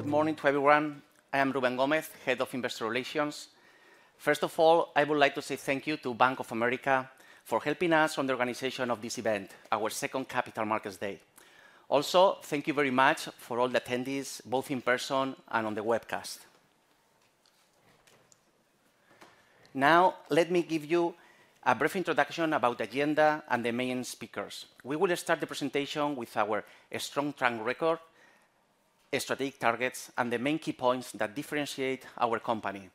Good morning to everyone. I am Rubén Gómez, Head of Investor Relations. First of all, I would like to say thank you to Bank of America for helping us on the organization of this event, our second Capital Markets Day. Also, thank you very much for all the attendees, both in person and on the webcast. Now, let me give you a brief introduction about the agenda and the main speakers. We will start the presentation with our strong track record, strategic targets, and the main key points that differentiate our company.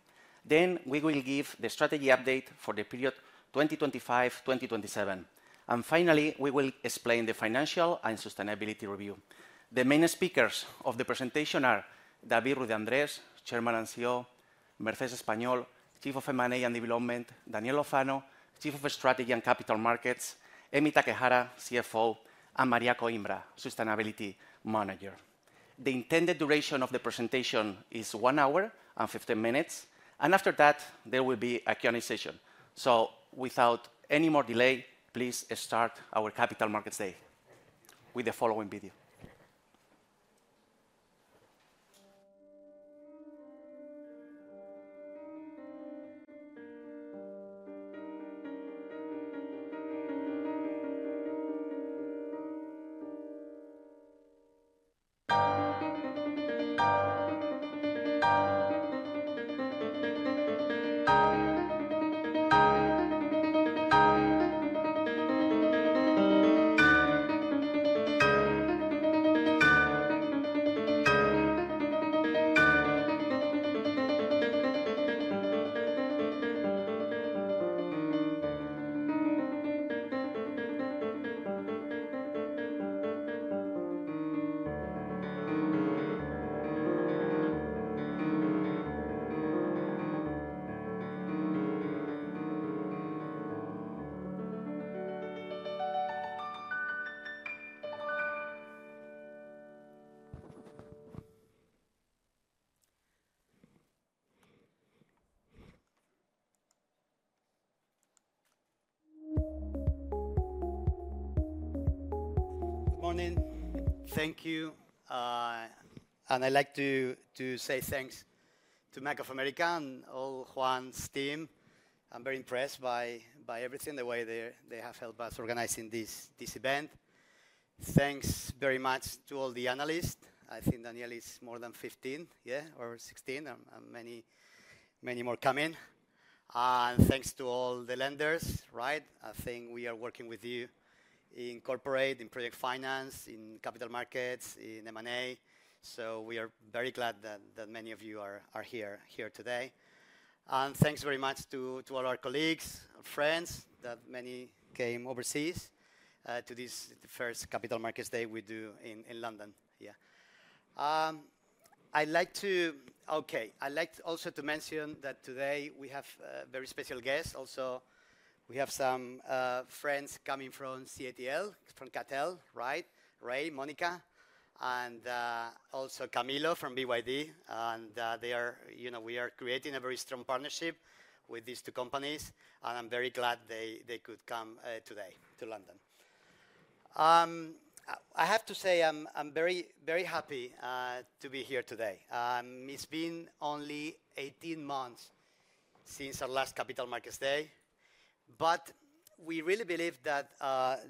We will give the strategy update for the period 2025-2027. Finally, we will explain the financial and sustainability review. The main speakers of the presentation are David Ruiz de Andrés, Chairman and CEO; Mercedes Español, Chief of M&A and Development; Daniel Oppano, Chief of Strategy and Capital Markets; Emi Takehara, CFO; and Maria Coimbra, Sustainability Manager. The intended duration of the presentation is one hour and 15 minutes. After that, there will be a Q&A session. Without any more delay, please start our Capital Markets Day with the following video. Good morning. Thank you. I'd like to say thanks to Bank of America and all Juan's team. I'm very impressed by everything, the way they have helped us organizing this event. Thanks very much to all the analysts. I think Daniel is more than 15, yeah, or 16, and many, many more coming. Thanks to all the lenders, right? I think we are working with you in corporate, in project finance, in capital markets, in M&A. We are very glad that many of you are here today. Thanks very much to all our colleagues, our friends that many came overseas to this first Capital Markets Day we do in London. Yeah. I'd like to, okay, I'd like also to mention that today we have a very special guest. Also, we have some friends coming from CATL, right? Ray, Monica, and also Camilo from BYD. And they are, you know, we are creating a very strong partnership with these two companies. I'm very glad they could come today to London. I have to say I'm very, very happy to be here today. It's been only 18 months since our last Capital Markets Day. We really believe that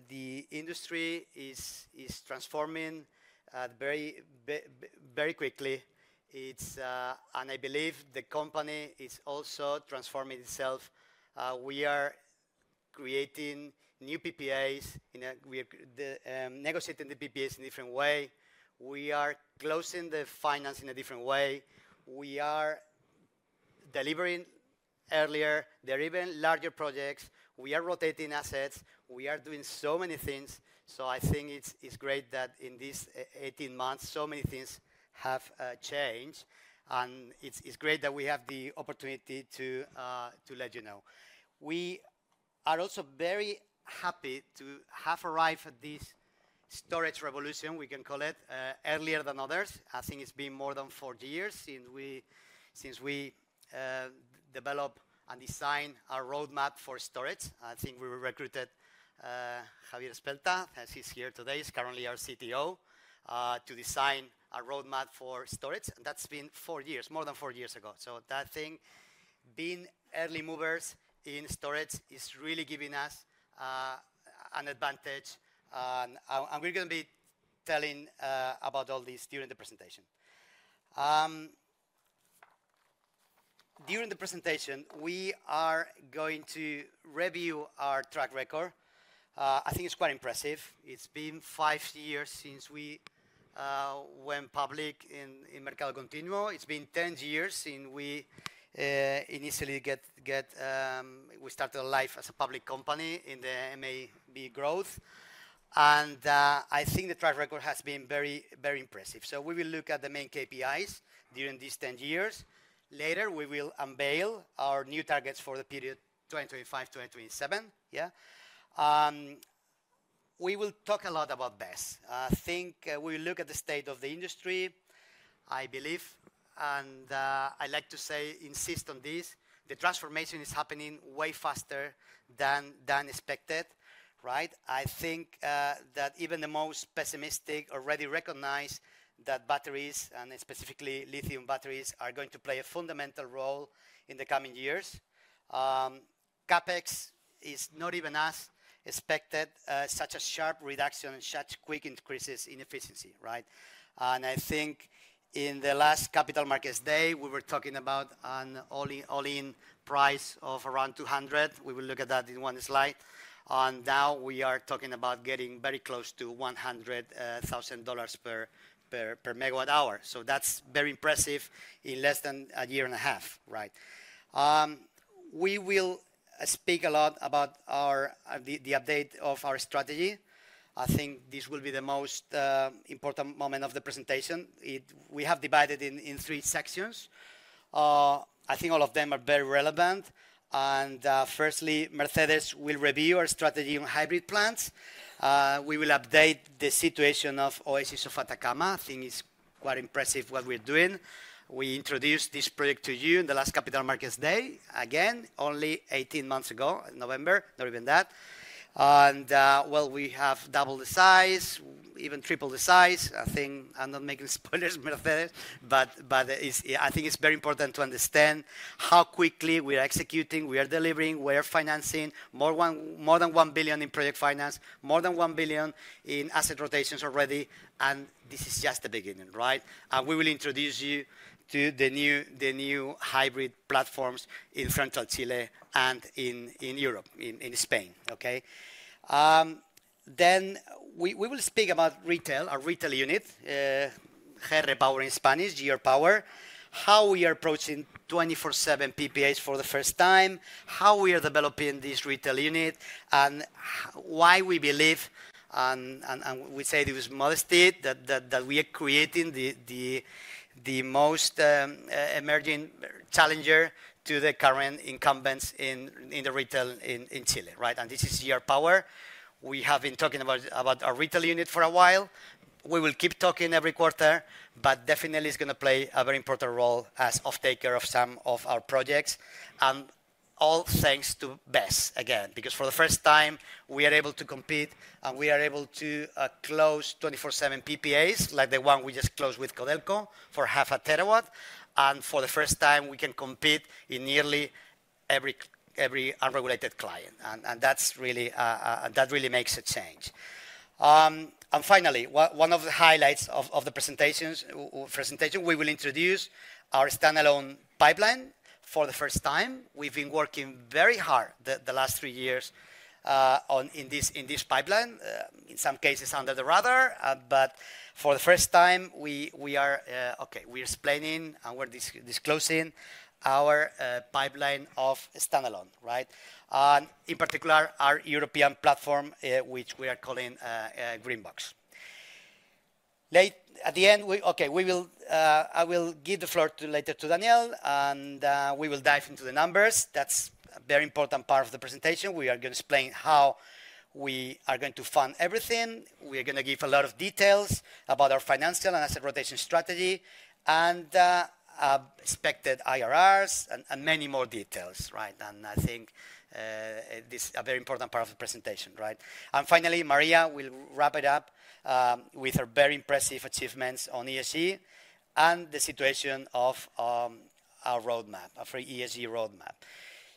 the industry is transforming very, very quickly. I believe the company is also transforming itself. We are creating new PPAs, negotiating the PPAs in a different way. We are closing the finance in a different way. We are delivering earlier. There are even larger projects. We are rotating assets. We are doing so many things. I think it is great that in these 18 months, so many things have changed. It is great that we have the opportunity to let you know. We are also very happy to have arrived at this storage revolution, we can call it, earlier than others. I think it has been more than four years since we developed and designed our roadmap for storage. I think we recruited Javier Espelta, as he is here today. He is currently our CTO, to design a roadmap for storage. That has been four years, more than four years ago. I think being early movers in storage is really giving us an advantage. We are going to be telling about all this during the presentation. During the presentation, we are going to review our track record. I think it is quite impressive. It has been five years since we went public in Mercado Continuo. It's been 10 years since we initially, we started life as a public company in the M&B growth. I think the track record has been very, very impressive. We will look at the main KPIs during these 10 years. Later, we will unveil our new targets for the period 2025-2027. Yeah. We will talk a lot about BESS. I think we will look at the state of the industry, I believe. I like to say, insist on this, the transformation is happening way faster than expected, right? I think that even the most pessimistic already recognize that batteries, and specifically lithium batteries, are going to play a fundamental role in the coming years. CapEx is not even as expected, such a sharp reduction and such quick increases in efficiency, right? I think in the last Capital Markets Day, we were talking about an all-in price of around $200. We will look at that in one slide. Now we are talking about getting very close to $100,000 per megawatt hour. That is very impressive in less than a year and a half, right? We will speak a lot about the update of our strategy. I think this will be the most important moment of the presentation. We have divided it in three sections. I think all of them are very relevant. Firstly, Mercedes will review our strategy on hybrid plants. We will update the situation of Oasis of Atacama. I think it is quite impressive what we are doing. We introduced this project to you in the last Capital Markets Day, again, only 18 months ago, in November, not even that. We have doubled the size, even tripled the size. I think I'm not making spoilers, Mercedes, but I think it's very important to understand how quickly we are executing, we are delivering, we are financing more than $1 billion in project finance, more than $1 billion in asset rotations already. This is just the beginning, right? We will introduce you to the new hybrid platforms in Central Chile and in Europe, in Spain, okay? We will speak about retail, our retail unit, GR Power in Spanish, GR Power, how we are approaching 24/7 PPAs for the first time, how we are developing this retail unit, and why we believe, and we say this is modesty, that we are creating the most emerging challenger to the current incumbents in the retail in Chile, right? This is GR Power. We have been talking about our retail unit for a while. We will keep talking every quarter, but definitely it's going to play a very important role as off-taker of some of our projects. All thanks to BESS, again, because for the first time, we are able to compete and we are able to close 24/7 PPAs, like the one we just closed with Codelco for 0.5 terawatt. For the first time, we can compete in nearly every unregulated client. That really makes a change. Finally, one of the highlights of the presentation, we will introduce our standalone pipeline for the first time. We've been working very hard the last three years in this pipeline, in some cases under the radar. For the first time, we are, okay, we're explaining and we're disclosing our pipeline of standalone, right? In particular, our European platform, which we are calling Greenbox. At the end, okay, I will give the floor later to Daniel, and we will dive into the numbers. That is a very important part of the presentation. We are going to explain how we are going to fund everything. We are going to give a lot of details about our financial and asset rotation strategy, and expected IRRs, and many more details, right? I think this is a very important part of the presentation, right? Finally, Maria will wrap it up with her very impressive achievements on ESG and the situation of our roadmap, our ESG roadmap.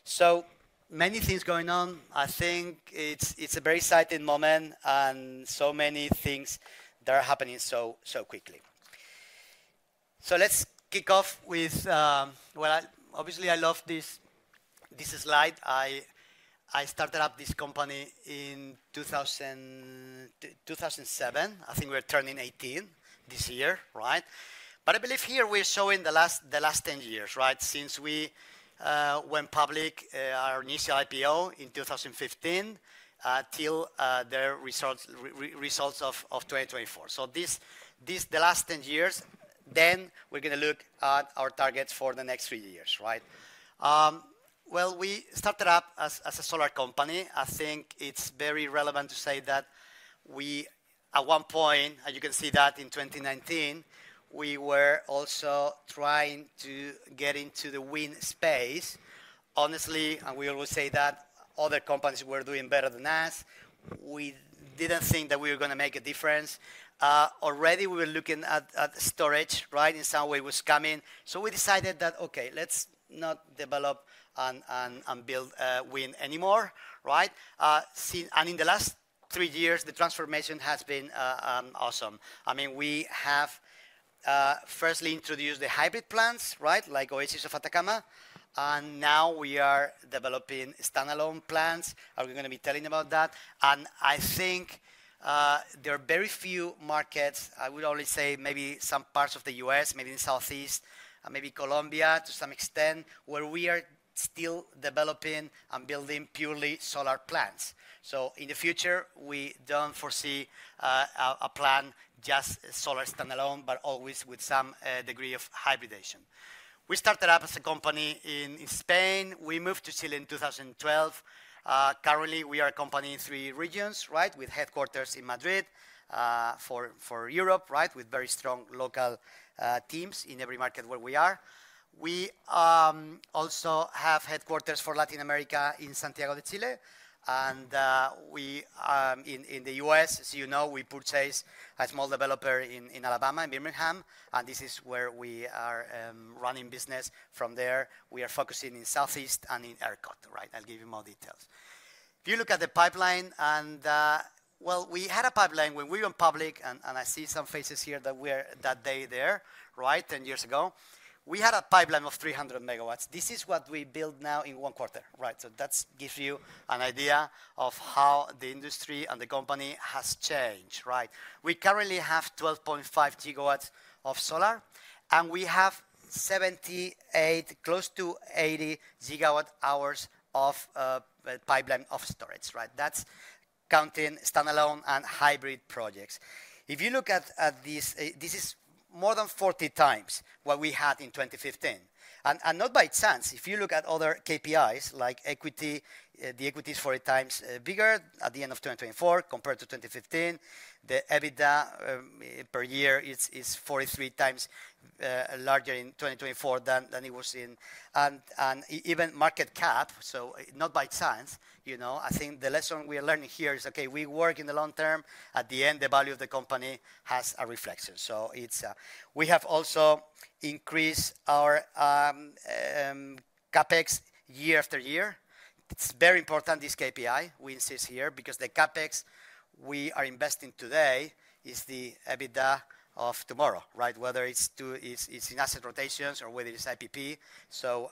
So many things going on. I think it is a very exciting moment and so many things that are happening so quickly. Let's kick off with, well, obviously, I love this slide. I started up this company in 2007. I think we're turning 18 this year, right? I believe here we're showing the last 10 years, right? Since we went public, our initial IPO in 2015, till the results of 2024. The last 10 years, then we're going to look at our targets for the next three years, right? We started up as a solar company. I think it's very relevant to say that we, at one point, and you can see that in 2019, we were also trying to get into the wind space. Honestly, and we always say that other companies were doing better than us. We didn't think that we were going to make a difference. Already, we were looking at storage, right? In some way, it was coming. We decided that, okay, let's not develop and build wind anymore, right? In the last three years, the transformation has been awesome. I mean, we have firstly introduced the hybrid plants, right? Like Oasis of Atacama. Now we are developing standalone plants. I'm going to be telling you about that. I think there are very few markets. I would only say maybe some parts of the U.S., maybe in the Southeast, and maybe Colombia to some extent, where we are still developing and building purely solar plants. In the future, we do not foresee a plan just solar standalone, but always with some degree of hybridization. We started up as a company in Spain. We moved to Chile in 2012. Currently, we are a company in three regions, right? With headquarters in Madrid for Europe, right? With very strong local teams in every market where we are. We also have headquarters for Latin America in Santiago de Chile. In the U.S., as you know, we purchased a small developer in Alabama, in Birmingham. This is where we are running business from. We are focusing in Southeast and in ERCOT, right? I'll give you more details. If you look at the pipeline, we had a pipeline when we went public, and I see some faces here that were that day there, right? 10 years ago. We had a pipeline of 300 megawatts. This is what we build now in one quarter, right? That gives you an idea of how the industry and the company has changed, right? We currently have 12.5 gigawatts of solar, and we have 78, close to 80 gigawatt hours of pipeline of storage, right? That's counting standalone and hybrid projects. If you look at this, this is more than 40 times what we had in 2015. Not by chance, if you look at other KPIs like equity, the equity is four times bigger at the end of 2024 compared to 2015. The EBITDA per year is 43 times larger in 2024 than it was in. Even market cap, not by chance, you know, I think the lesson we are learning here is, okay, we work in the long term. At the end, the value of the company has a reflection. We have also increased our CapEx year after year. It is very important, this KPI, we insist here, because the CapEx we are investing today is the EBITDA of tomorrow, right? Whether it is in asset rotations or whether it is IPP.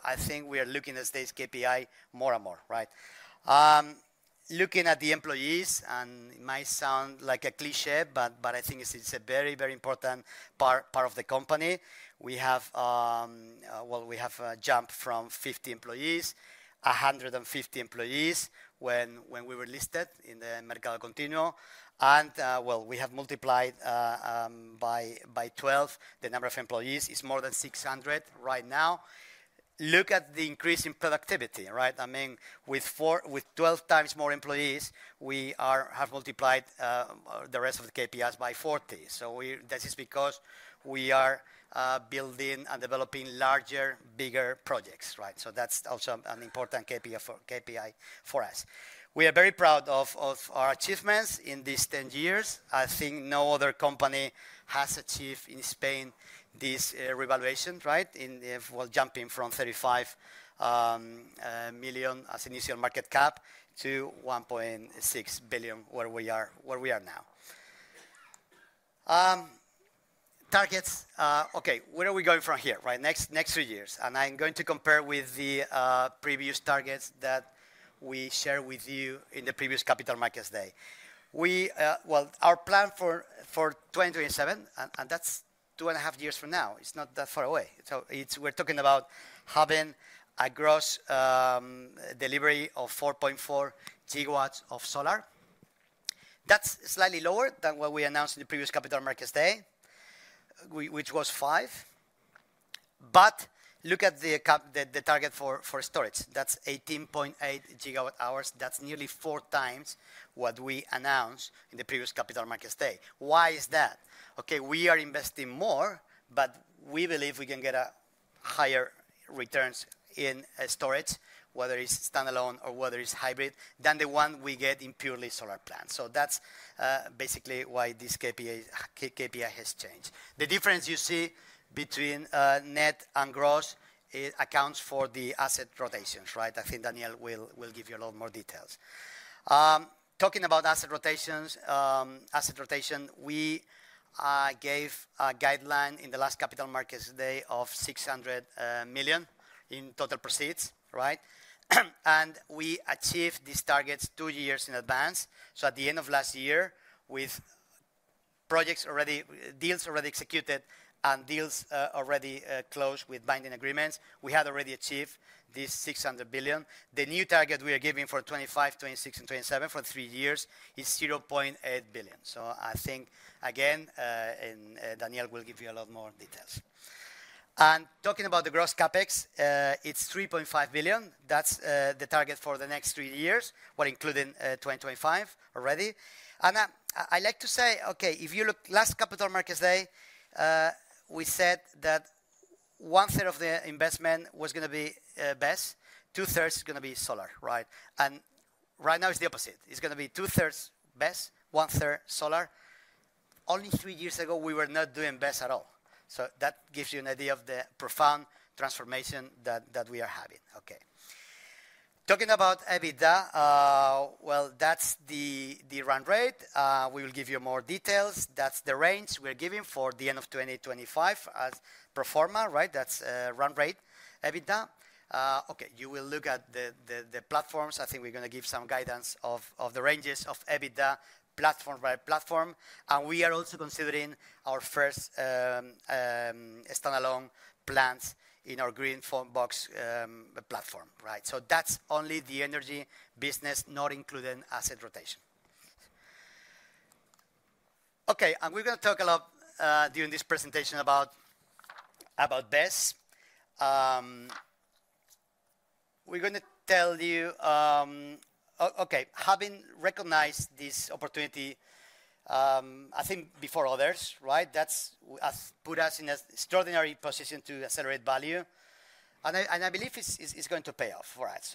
I think we are looking at this KPI more and more, right? Looking at the employees, and it might sound like a cliché, but I think it's a very, very important part of the company. We have a jump from 50 employees to 150 employees when we were listed in the Mercado Continuo. We have multiplied by 12. The number of employees is more than 600 right now. Look at the increase in productivity, right? I mean, with 12 times more employees, we have multiplied the rest of the KPIs by 40. This is because we are building and developing larger, bigger projects, right? That's also an important KPI for us. We are very proud of our achievements in these 10 years. I think no other company has achieved in Spain this revaluation, right? Jumping from 35 million as initial market cap to 1.6 billion where we are now. Targets, okay, where are we going from here, right? Next three years. I'm going to compare with the previous targets that we shared with you in the previous Capital Markets Day. Our plan for 2027, and that's two and a half years from now, it's not that far away. We are talking about having a gross delivery of 4.4 gigawatts of solar. That's slightly lower than what we announced in the previous Capital Markets Day, which was 5. Look at the target for storage. That's 18.8 gigawatt hours. That's nearly four times what we announced in the previous Capital Markets Day. Why is that? Okay, we are investing more, but we believe we can get higher returns in storage, whether it's standalone or whether it's hybrid, than the one we get in purely solar plants. That's basically why this KPI has changed. The difference you see between net and gross accounts for the asset rotations, right? I think Daniel will give you a lot more details. Talking about asset rotations, we gave a guideline in the last Capital Markets Day of 600 million in total proceeds, right? And we achieved these targets two years in advance. At the end of last year, with projects already, deals already executed, and deals already closed with binding agreements, we had already achieved this 600 million. The new target we are giving for 2025, 2026, and 2027 for three years is EUR 800 million. I think, again, Daniel will give you a lot more details. Talking about the gross CapEx, it is 3.5 billion. That is the target for the next three years, while including 2025 already. I like to say, okay, if you look, last Capital Markets Day, we said that one third of the investment was going to be BESS. Two thirds is going to be solar, right? Right now it's the opposite. It's going to be two thirds BESS, one third solar. Only three years ago, we were not doing BESS at all. That gives you an idea of the profound transformation that we are having, okay? Talking about EBITDA, that's the run rate. We will give you more details. That's the range we're giving for the end of 2025 as pro forma, right? That's run rate EBITDA. You will look at the platforms. I think we're going to give some guidance of the ranges of EBITDA platform by platform. We are also considering our first standalone plants in our Greenbox platform, right? That's only the energy business, not including asset rotation. Okay, and we're going to talk a lot during this presentation about BESS. We're going to tell you, okay, having recognized this opportunity, I think before others, right? That's put us in an extraordinary position to accelerate value. I believe it's going to pay off, right?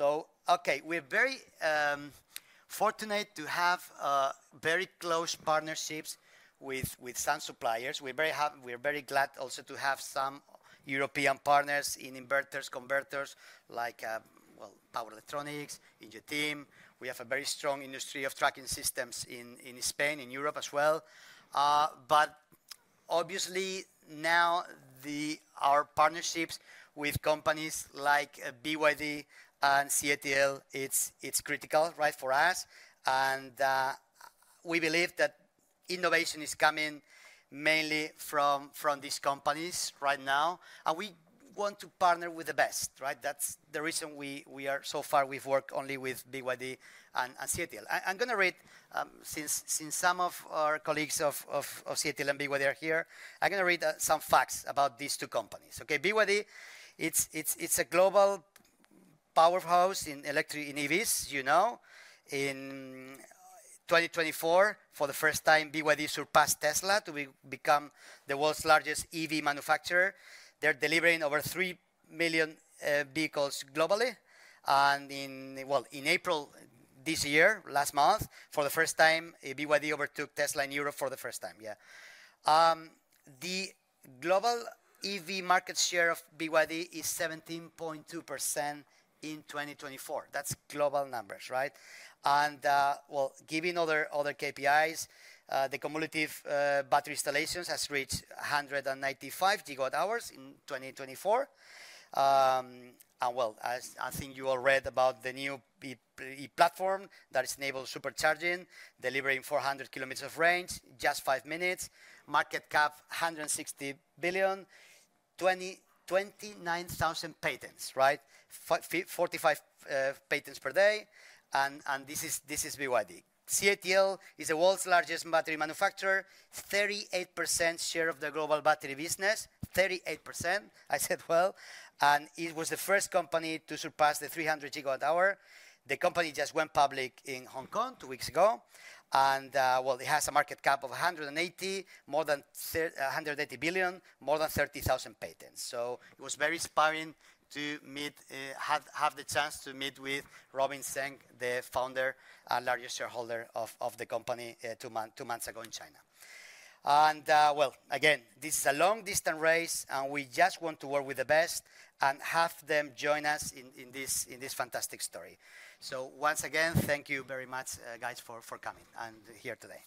Okay, we're very fortunate to have very close partnerships with some suppliers. We're very glad also to have some European partners in inverters, converters, like Power Electronics, Ingeteam. We have a very strong industry of tracking systems in Spain, in Europe as well. Obviously now our partnerships with companies like BYD and CATL, it's critical, right, for us. We believe that innovation is coming mainly from these companies right now. We want to partner with the best, right? That's the reason we are, so far we've worked only with BYD and CATL. I'm going to read, since some of our colleagues of CATL and BYD are here, I'm going to read some facts about these two companies. Okay, BYD, it's a global powerhouse in EVs, you know. In 2024, for the first time, BYD surpassed Tesla to become the world's largest EV manufacturer. They're delivering over 3 million vehicles globally. In April this year, last month, for the first time, BYD overtook Tesla in Europe for the first time, yeah. The global EV market share of BYD is 17.2% in 2024. That's global numbers, right? Given other KPIs, the cumulative battery installations has reached 195 gigawatt hours in 2024. I think you all read about the new platform that is enabled supercharging, delivering 400 kilometers of range in just five minutes. Market cap $160 billion, 29,000 patents, right? 45 patents per day. This is BYD. CATL is the world's largest battery manufacturer, 38% share of the global battery business, 38%, I said, right. It was the first company to surpass the 300 gigawatt hour. The company just went public in Hong Kong two weeks ago. It has a market cap of $180 billion, more than 30,000 patents. It was very inspiring to have the chance to meet with Robin Zeng, the founder and largest shareholder of the company, two months ago in China. This is a long distant race, and we just want to work with the best and have them join us in this fantastic story. Once again, thank you very much, guys, for coming and being here today.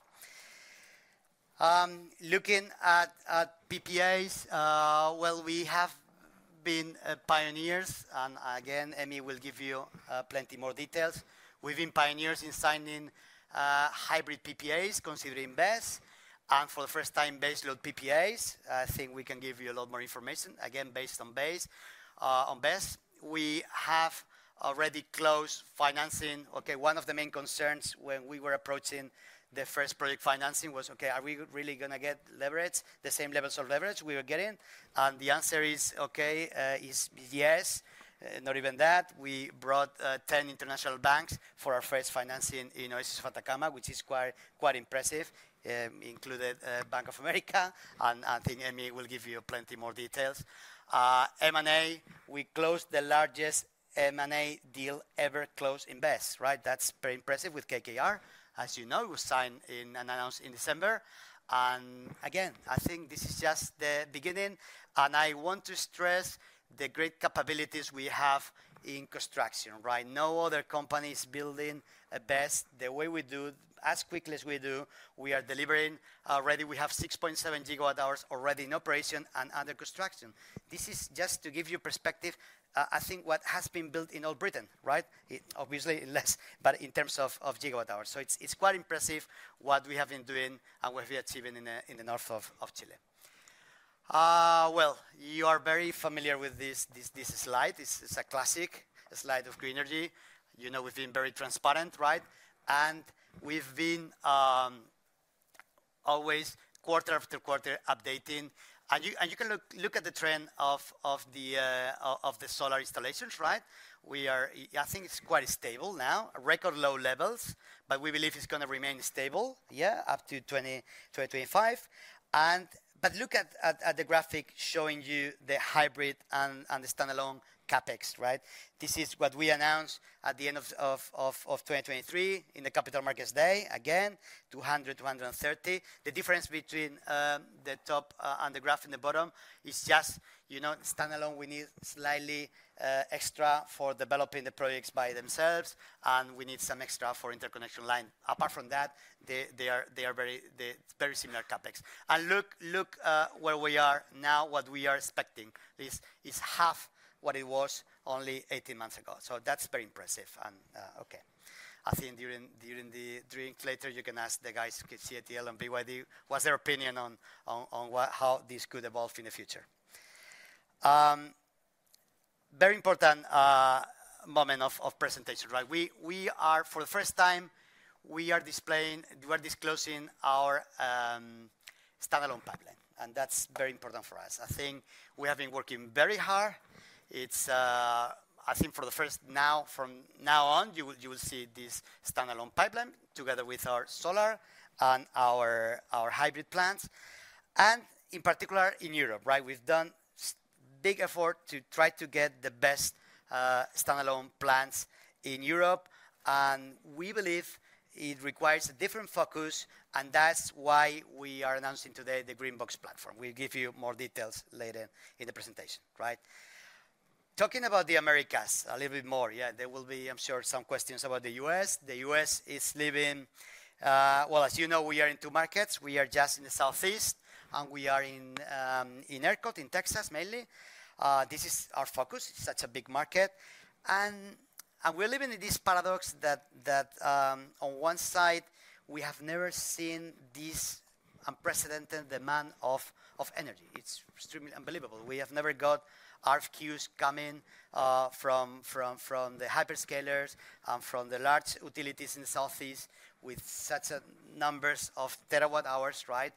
Looking at PPAs, we have been pioneers, and again, Emi will give you plenty more details. We've been pioneers in signing hybrid PPAs, considering BESS. For the first time, BESS load PPAs, I think we can give you a lot more information, again, based on BESS. We have already closed financing. One of the main concerns when we were approaching the first project financing was, okay, are we really going to get leverage, the same levels of leverage we were getting? The answer is, okay, is yes. Not even that. We brought 10 international banks for our first financing in Oasis of Atacama, which is quite impressive, including Bank of America. I think Emi will give you plenty more details. M&A, we closed the largest M&A deal ever closed in BESS, right? That's very impressive with KKR. As you know, it was signed and announced in December. Again, I think this is just the beginning. I want to stress the great capabilities we have in construction, right? No other company is building a BESS the way we do, as quickly as we do. We are delivering already, we have 6.7 gigawatt hours already in operation and under construction. This is just to give you perspective. I think what has been built in all Britain, right? Obviously less, but in terms of gigawatt hours. It is quite impressive what we have been doing and what we are achieving in the north of Chile. You are very familiar with this slide. It is a classic slide of green energy. You know, we have been very transparent, right? We have been always quarter after quarter updating. You can look at the trend of the solar installations, right? We are, I think it's quite stable now, record low levels, but we believe it's going to remain stable, yeah, up to 2025. Look at the graphic showing you the hybrid and the standalone CapEx, right? This is what we announced at the end of 2023 in the Capital Markets Day, again, 200-230. The difference between the top and the graph in the bottom is just, you know, standalone, we need slightly extra for developing the projects by themselves, and we need some extra for interconnection line. Apart from that, they are very similar CapEx. Look where we are now, what we are expecting is half what it was only 18 months ago. That's very impressive. Okay, I think during the drink later, you can ask the guys at CATL and BYD what's their opinion on how this could evolve in the future. Very important moment of presentation, right? We are, for the first time, we are disclosing our standalone pipeline. And that's very important for us. I think we have been working very hard. It's, I think for the first now, from now on, you will see this standalone pipeline together with our solar and our hybrid plants. And in particular in Europe, right? We've done a big effort to try to get the best standalone plants in Europe. And we believe it requires a different focus. And that's why we are announcing today the Greenbox platform. We'll give you more details later in the presentation, right? Talking about the Americas a little bit more, yeah, there will be, I'm sure, some questions about the US. The US is living, well, as you know, we are in two markets. We are just in the Southeast, and we are in ERCO T, in Texas mainly. This is our focus. It's such a big market. We're living in this paradox that on one side, we have never seen this unprecedented demand of energy. It's extremely unbelievable. We have never got RFQs coming from the hyperscalers and from the large utilities in the Southeast with such numbers of terawatt hours, right?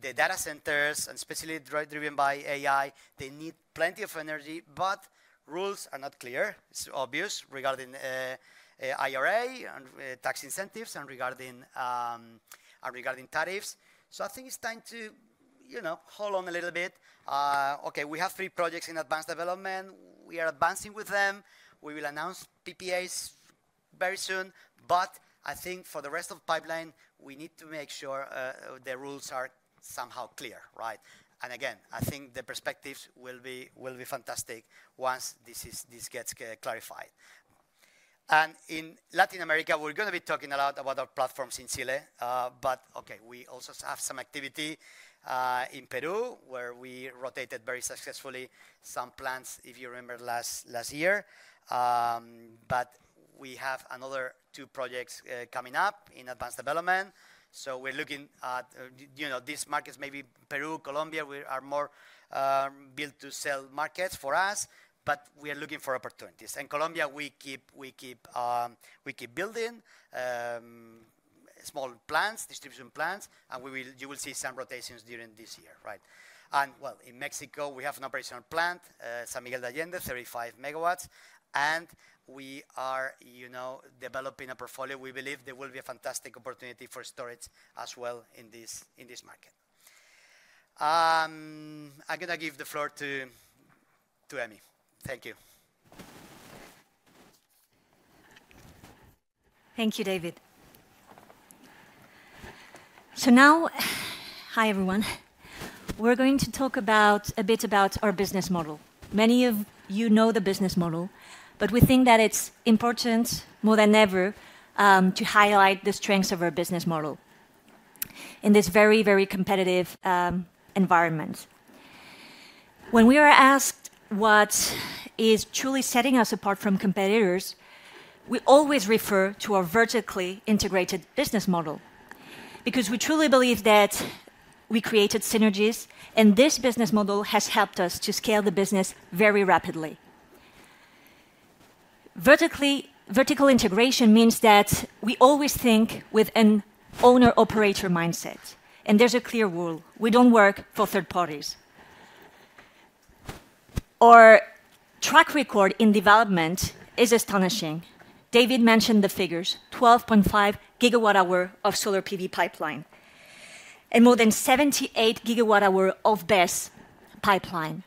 The data centers, and especially driven by AI, they need plenty of energy, but rules are not clear. It's obvious regarding IRA and tax incentives and regarding tariffs. I think it's time to, you know, hold on a little bit. Okay, we have three projects in advanced development. We are advancing with them. We will announce PPAs very soon. I think for the rest of the pipeline, we need to make sure the rules are somehow clear, right? I think the perspectives will be fantastic once this gets clarified. In Latin America, we're going to be talking a lot about our platforms in Chile. We also have some activity in Peru, where we rotated very successfully some plants, if you remember last year. We have another two projects coming up in advanced development. We're looking at, you know, these markets, maybe Peru, Colombia, we are more build-to-sell markets for us, but we are looking for opportunities. In Colombia, we keep building. Small plants, distribution plants, and you will see some rotations during this year, right? In Mexico, we have an operational plant, San Miguel de Allende, 35 megawatts. We are, you know, developing a portfolio. We believe there will be a fantastic opportunity for storage as well in this market. I'm going to give the floor to Emi. Thank you. Thank you, David. Now, hi everyone. We're going to talk a bit about our business model. Many of you know the business model, but we think that it's important more than ever to highlight the strengths of our business model in this very, very competitive environment. When we are asked what is truly setting us apart from competitors, we always refer to our vertically integrated business model because we truly believe that we created synergies, and this business model has helped us to scale the business very rapidly. Vertical integration means that we always think with an owner-operator mindset, and there's a clear rule. We don't work for third parties. Our track record in development is astonishing. David mentioned the figures: 12.5 gigawatt hour of solar PV pipeline and more than 78 gigawatt hour of BESS pipeline.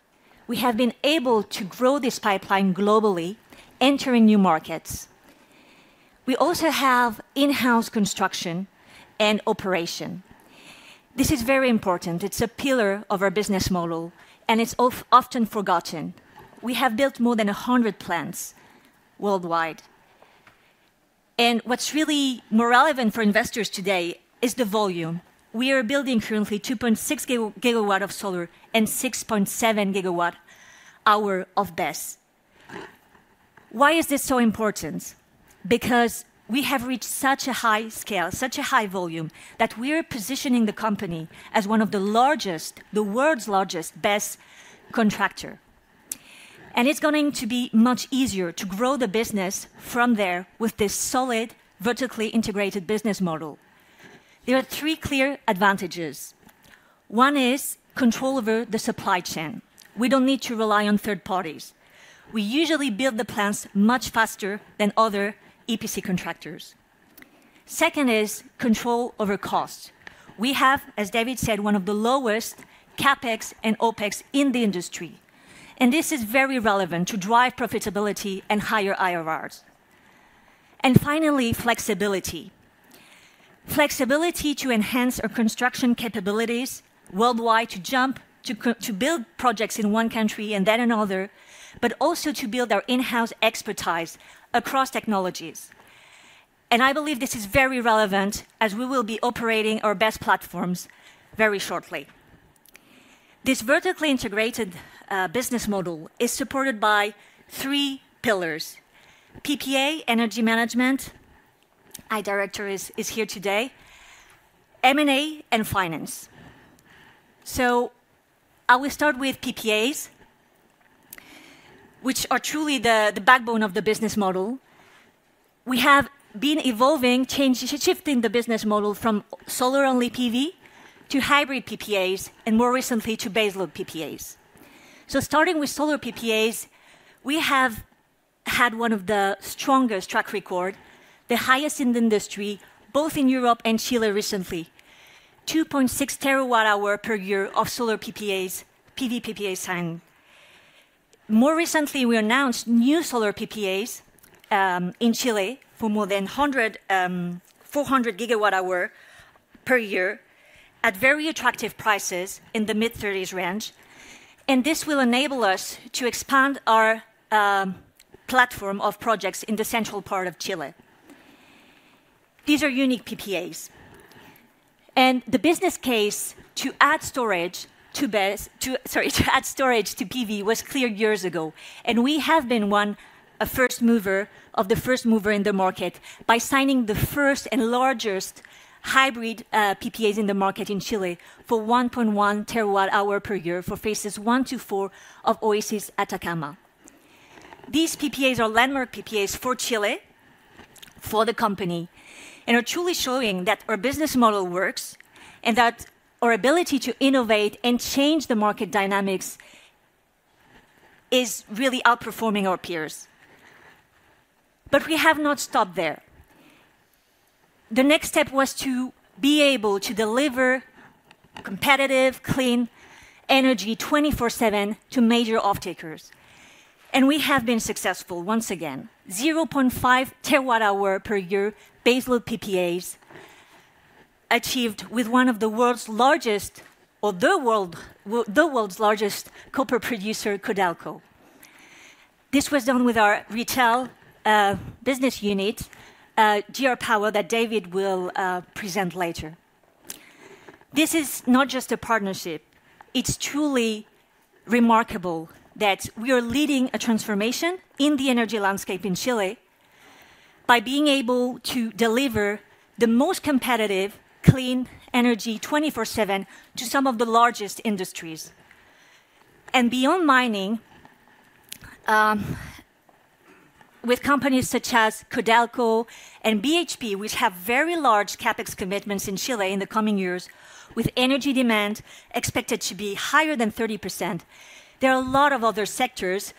We have been able to grow this pipeline globally, entering new markets. We also have in-house construction and operation. This is very important. It's a pillar of our business model, and it's often forgotten. We have built more than 100 plants worldwide. What's really more relevant for investors today is the volume. We are building currently 2.6 gigawatt of solar and 6.7 gigawatt hour of BESS. Why is this so important? Because we have reached such a high scale, such a high volume that we are positioning the company as one of the largest, the world's largest BESS contractor. It's going to be much easier to grow the business from there with this solid vertically integrated business model. There are three clear advantages. One is control over the supply chain. We don't need to rely on third parties. We usually build the plants much faster than other EPC contractors. Second is control over cost. We have, as David said, one of the lowest CapEx and OpEx in the industry. This is very relevant to drive profitability and higher IRRs. Finally, flexibility. Flexibility to enhance our construction capabilities worldwide to jump to build projects in one country and then another, but also to build our in-house expertise across technologies. I believe this is very relevant as we will be operating our best platforms very shortly. This vertically integrated business model is supported by three pillars: PPA, energy management—our director is here today—M&A, and finance. I will start with PPAs, which are truly the backbone of the business model. We have been evolving, shifting the business model from solar-only PV to hybrid PPAs and more recently to BaseLoad PPAs. Starting with solar PPAs, we have had one of the strongest track records, the highest in the industry, both in Europe and Chile recently, 2.6 terawatt hour per year of solar PV PPAs signed. More recently, we announced new solar PPAs in Chile for more than 400 gigawatt hour per year at very attractive prices in the mid-30s range. This will enable us to expand our platform of projects in the central part of Chile. These are unique PPAs. The business case to add storage to BESS, sorry, to add storage to PV was clear years ago. We have been one of the first movers in the market by signing the first and largest hybrid PPAs in the market in Chile for 1.1 terawatt hour per year for phases one to four of Oasis Atacama. These PPAs are landmark PPAs for Chile, for the company, and are truly showing that our business model works and that our ability to innovate and change the market dynamics is really outperforming our peers. We have not stopped there. The next step was to be able to deliver competitive, clean energy 24/7 to major off-takers. We have been successful once again. 0.5 terawatt hour per year BaseLobe PPAs achieved with one of the world's largest, or the world's largest copper producer, Codelco. This was done with our retail business unit, GR Power, that David will present later. This is not just a partnership. It is truly remarkable that we are leading a transformation in the energy landscape in Chile by being able to deliver the most competitive clean energy 24/7 to some of the largest industries. Beyond mining, with companies such as Codelco and BHP, which have very large CapEx commitments in Chile in the coming years, with energy demand expected to be higher than 30%, there are a lot of other sectors,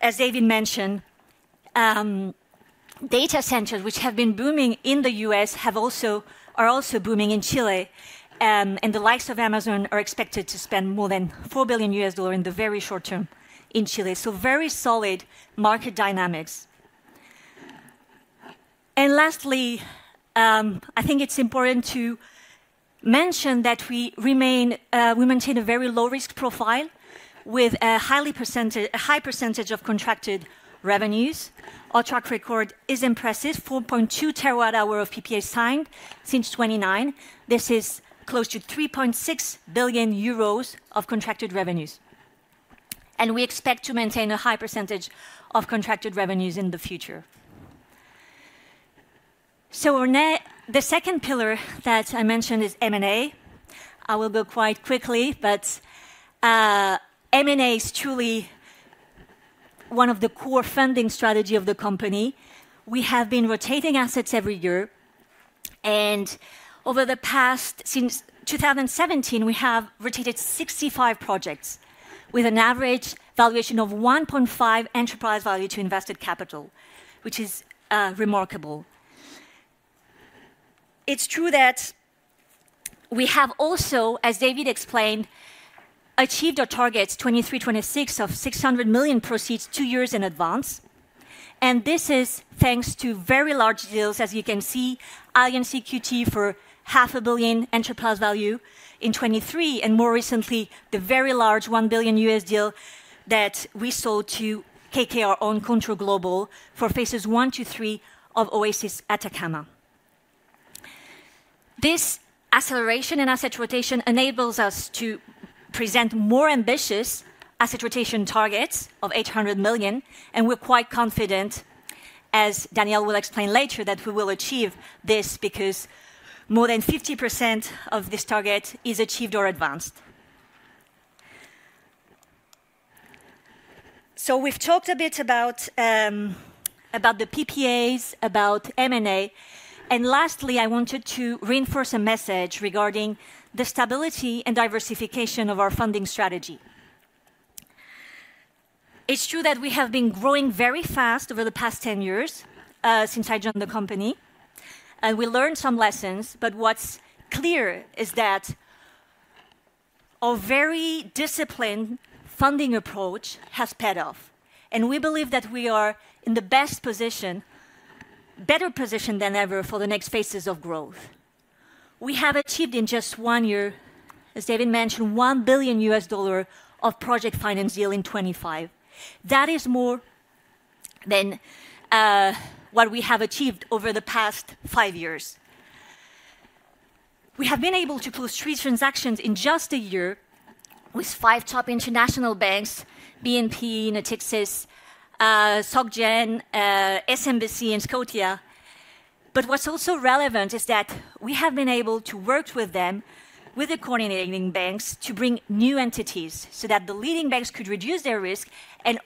as David mentioned, data centers, which have been booming in the U.S., are also booming in Chile. The likes of Amazon are expected to spend more than $4 billion in the very short term in Chile. Very solid market dynamics. Lastly, I think it's important to mention that we maintain a very low-risk profile with a high percentage of contracted revenues. Our track record is impressive. 4.2 terawatt hour of PPA signed since 2029. This is close to 3.6 billion euros of contracted revenues. We expect to maintain a high percentage of contracted revenues in the future. The second pillar that I mentioned is M&A. I will go quite quickly, but M&A is truly one of the core funding strategies of the company. We have been rotating assets every year. Over the past, since 2017, we have rotated 65 projects with an average valuation of 1.5 enterprise value to invested capital, which is remarkable. It is true that we have also, as David explained, achieved our targets, 326 million of 600 million proceeds two years in advance. This is thanks to very large deals, as you can see, Allianz, EQT for $500,000,000 enterprise value in 2023, and more recently, the very large $1 billion US deal that we sold to KKR and ContourGlobal for phases one to three of Oasis Atacama. This acceleration in asset rotation enables us to present more ambitious asset rotation targets of 800 million. We're quite confident, as Daniel will explain later, that we will achieve this because more than 50% of this target is achieved or advanced. We've talked a bit about the PPAs, about M&A. Lastly, I wanted to reinforce a message regarding the stability and diversification of our funding strategy. It's true that we have been growing very fast over the past 10 years since I joined the company. We learned some lessons, but what's clear is that a very disciplined funding approach has paid off. We believe that we are in the best position, better position than ever for the next phases of growth. We have achieved in just one year, as David mentioned, $1 billion of project finance deal in 2025. That is more than what we have achieved over the past five years. We have been able to close three transactions in just a year with five top international banks: BNP Paribas, Natixis, Société Générale, SMBC, and Scotiabank. What's also relevant is that we have been able to work with them, with the coordinating banks, to bring new entities so that the leading banks could reduce their risk. It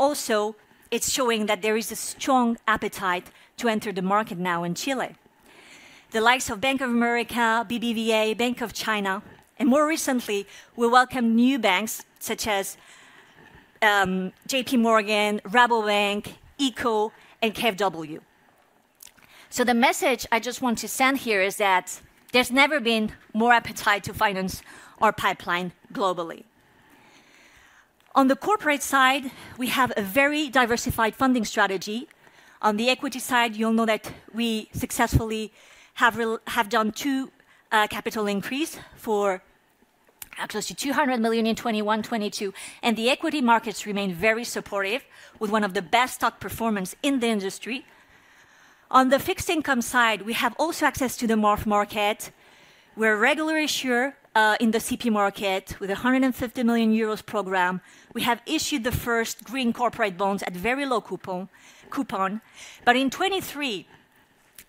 is showing that there is a strong appetite to enter the market now in Chile. The likes of Bank of America, BBVA, Bank of China, and more recently, we welcome new banks such as JPMorgan, Rabobank, ICO, and KfW. The message I just want to send here is that there's never been more appetite to finance our pipeline globally. On the corporate side, we have a very diversified funding strategy. On the equity side, you'll know that we successfully have done two capital increases for close to 200 million in 2021-2022. The equity markets remain very supportive with one of the best stock performances in the industry. On the fixed income side, we have also access to the MARF market. We are regular issuers in the CP market with an 150 million euros program. We have issued the first green corporate bonds at very low coupon. In 2023,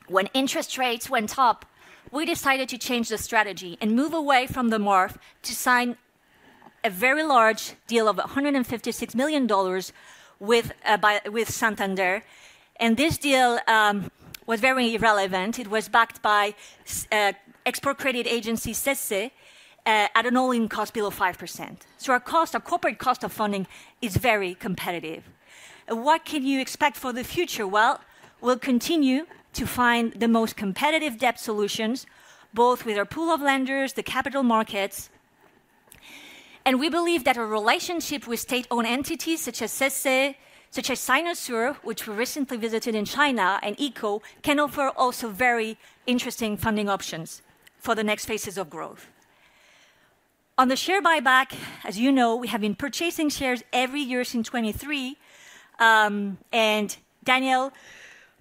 when interest rates went up, we decided to change the strategy and move away from the MARF to sign a very large deal of $156 million with Santander. This deal was very relevant. It was backed by export credit agency CESC at an all-in cost below 5%. Our corporate cost of funding is very competitive. What can you expect for the future? We will continue to find the most competitive debt solutions, both with our pool of lenders and the capital markets. We believe that our relationship with state-owned entities such as CESC, such as Sinosure, which we recently visited in China, and ICO can offer also very interesting funding options for the next phases of growth. On the share buyback, as you know, we have been purchasing shares every year since 2023. Daniel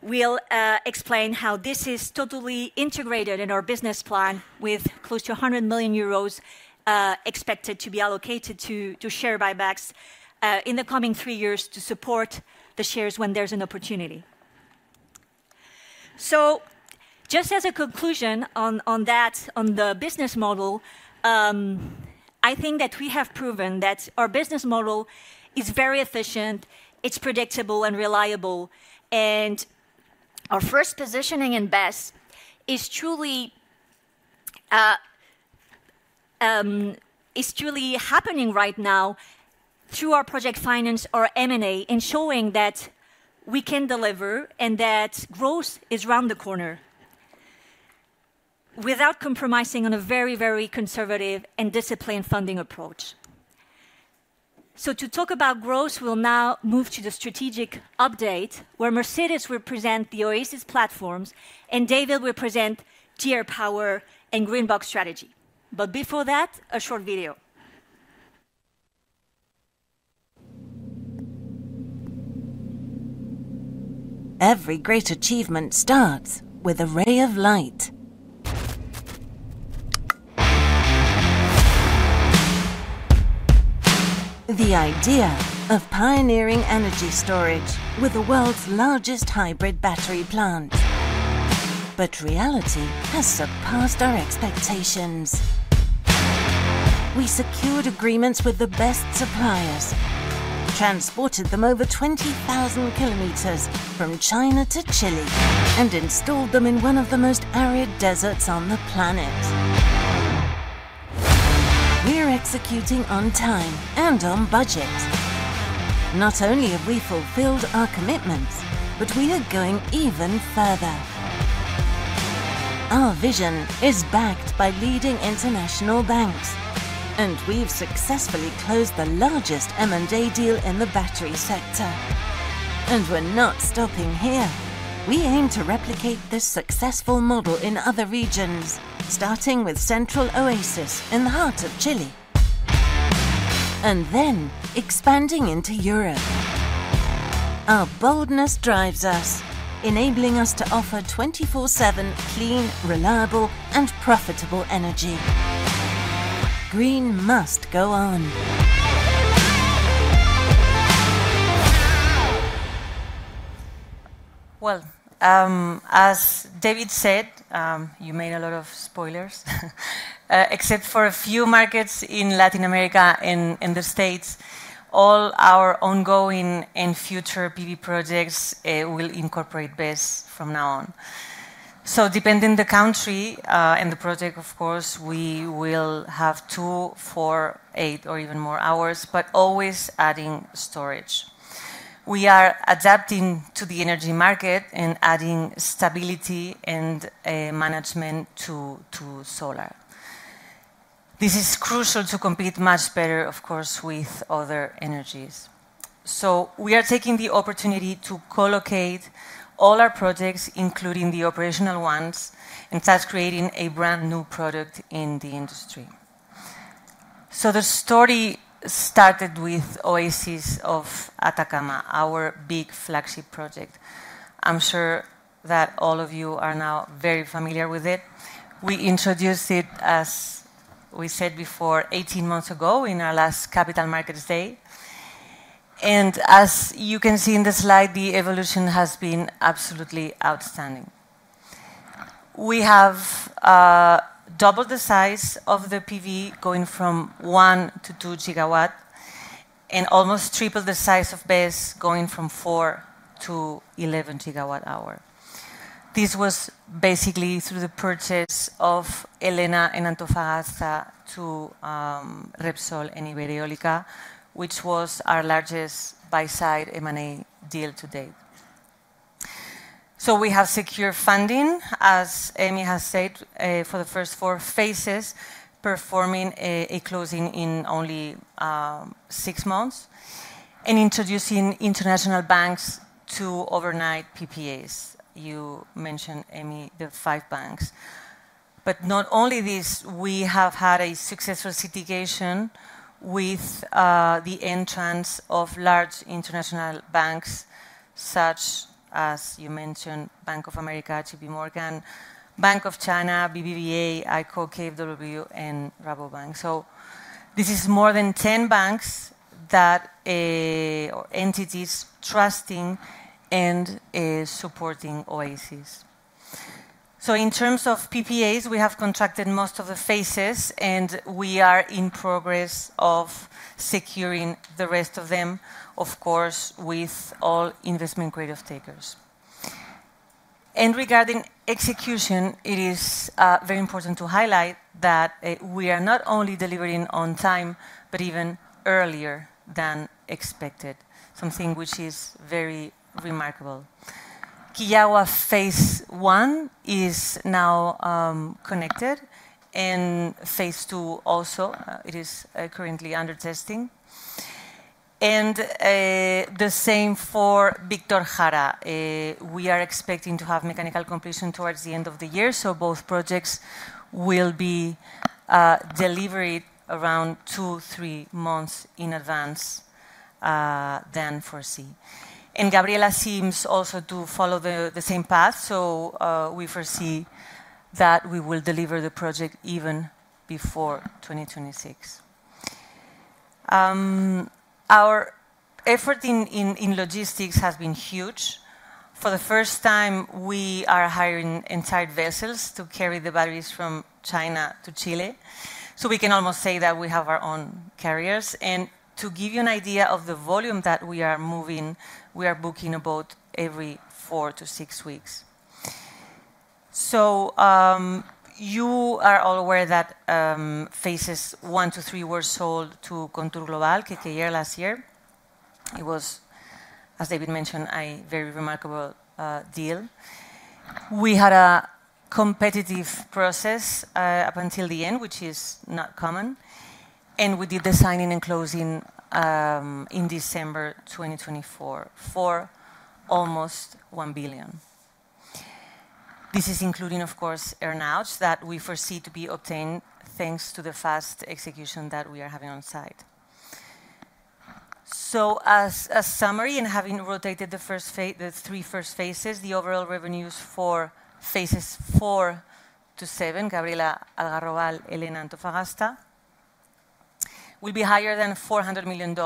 will explain how this is totally integrated in our business plan with close to 100 million euros expected to be allocated to share buybacks in the coming three years to support the shares when there's an opportunity. Just as a conclusion on that, on the business model, I think that we have proven that our business model is very efficient, it's predictable and reliable. Our first positioning in BESS is truly happening right now through our project finance, our M&A, and showing that we can deliver and that growth is around the corner without compromising on a very, very conservative and disciplined funding approach. To talk about growth, we'll now move to the strategic update where Mercedes will present the Oasis platforms and David will present GR Power and Greenbox strategy. Before that, a short video. Every great achievement starts with a ray of light. The idea of pioneering energy storage with the world's largest hybrid battery plant. Reality has surpassed our expectations. We secured agreements with the best suppliers, transported them over 20,000 km from China to Chile, and installed them in one of the most arid deserts on the planet. We're executing on time and on budget. Not only have we fulfilled our commitments, but we are going even further. Our vision is backed by leading international banks, and we've successfully closed the largest M&A deal in the battery sector. We are not stopping here. We aim to replicate this successful model in other regions, starting with Central Oasis in the heart of Chile, and then expanding into Europe. Our boldness drives us, enabling us to offer 24/7 clean, reliable, and profitable energy. Green must go on. As David said, you made a lot of spoilers, except for a few markets in Latin America and the States. All our ongoing and future PV projects will incorporate BESS from now on. Depending on the country and the project, of course, we will have two, four, eight, or even more hours, but always adding storage. We are adapting to the energy market and adding stability and management to solar. This is crucial to compete much better, of course, with other energies. We are taking the opportunity to co-locate all our projects, including the operational ones, and start creating a brand new product in the industry. The story started with Oasis of Atacama, our big flagship project. I'm sure that all of you are now very familiar with it. We introduced it, as we said before, 18 months ago in our last capital markets day. As you can see in the slide, the evolution has been absolutely outstanding. We have doubled the size of the PV, going from one to two gigawatts, and almost tripled the size of BESS, going from four to 11 gigawatt hours. This was basically through the purchase of Elena and Antofagasta to Repsol and Iberia Eólica, which was our largest buy-side M&A deal to date. We have secured funding, as Emi has said, for the first four phases, performing a closing in only six months, and introducing international banks to overnight PPAs. You mentioned, Emi, the five banks. Not only this, we have had a successful litigation with the entrance of large international banks, such as you mentioned, Bank of America, JPMorgan, Bank of China, BBVA, ICO, KfW, and Rabobank. This is more than 10 banks that are entities trusting and supporting Oasis. In terms of PPAs, we have contracted most of the phases, and we are in progress of securing the rest of them, of course, with all investment credit stakers. Regarding execution, it is very important to highlight that we are not only delivering on time, but even earlier than expected, something which is very remarkable. Kiyawa phase one is now connected, and phase two also, it is currently under testing. The same for Victor Jara. We are expecting to have mechanical completion towards the end of the year. Both projects will be delivered around two-three months in advance than foresee. Gabriela seems also to follow the same path. We foresee that we will deliver the project even before 2026. Our effort in logistics has been huge. For the first time, we are hiring entire vessels to carry the batteries from China to Chile. We can almost say that we have our own carriers. To give you an idea of the volume that we are moving, we are booking about every four to six weeks. You are all aware that Phases One to Three were sold to ContourGlobal, KKR last year. It was, as David mentioned, a very remarkable deal. We had a competitive process up until the end, which is not common. We did the signing and closing in December 2024 for almost $1 billion. This is including, of course, earnings that we foresee to be obtained thanks to the fast execution that we are having on site. As a summary, and having rotated the first three phases, the overall revenues for Phases Four to Seven, Gabriela Algarrobal, Elena Antofagasta, will be higher than $400 million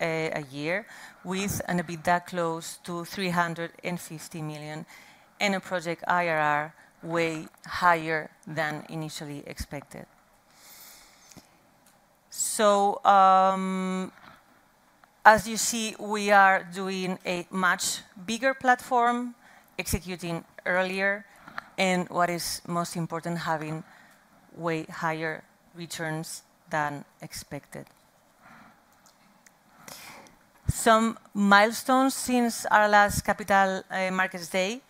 a year, with an EBITDA close to $350 million, and a project IRR way higher than initially expected. As you see, we are doing a much bigger platform, executing earlier, and what is most important, having way higher returns than expected. Some milestones since our last capital markets day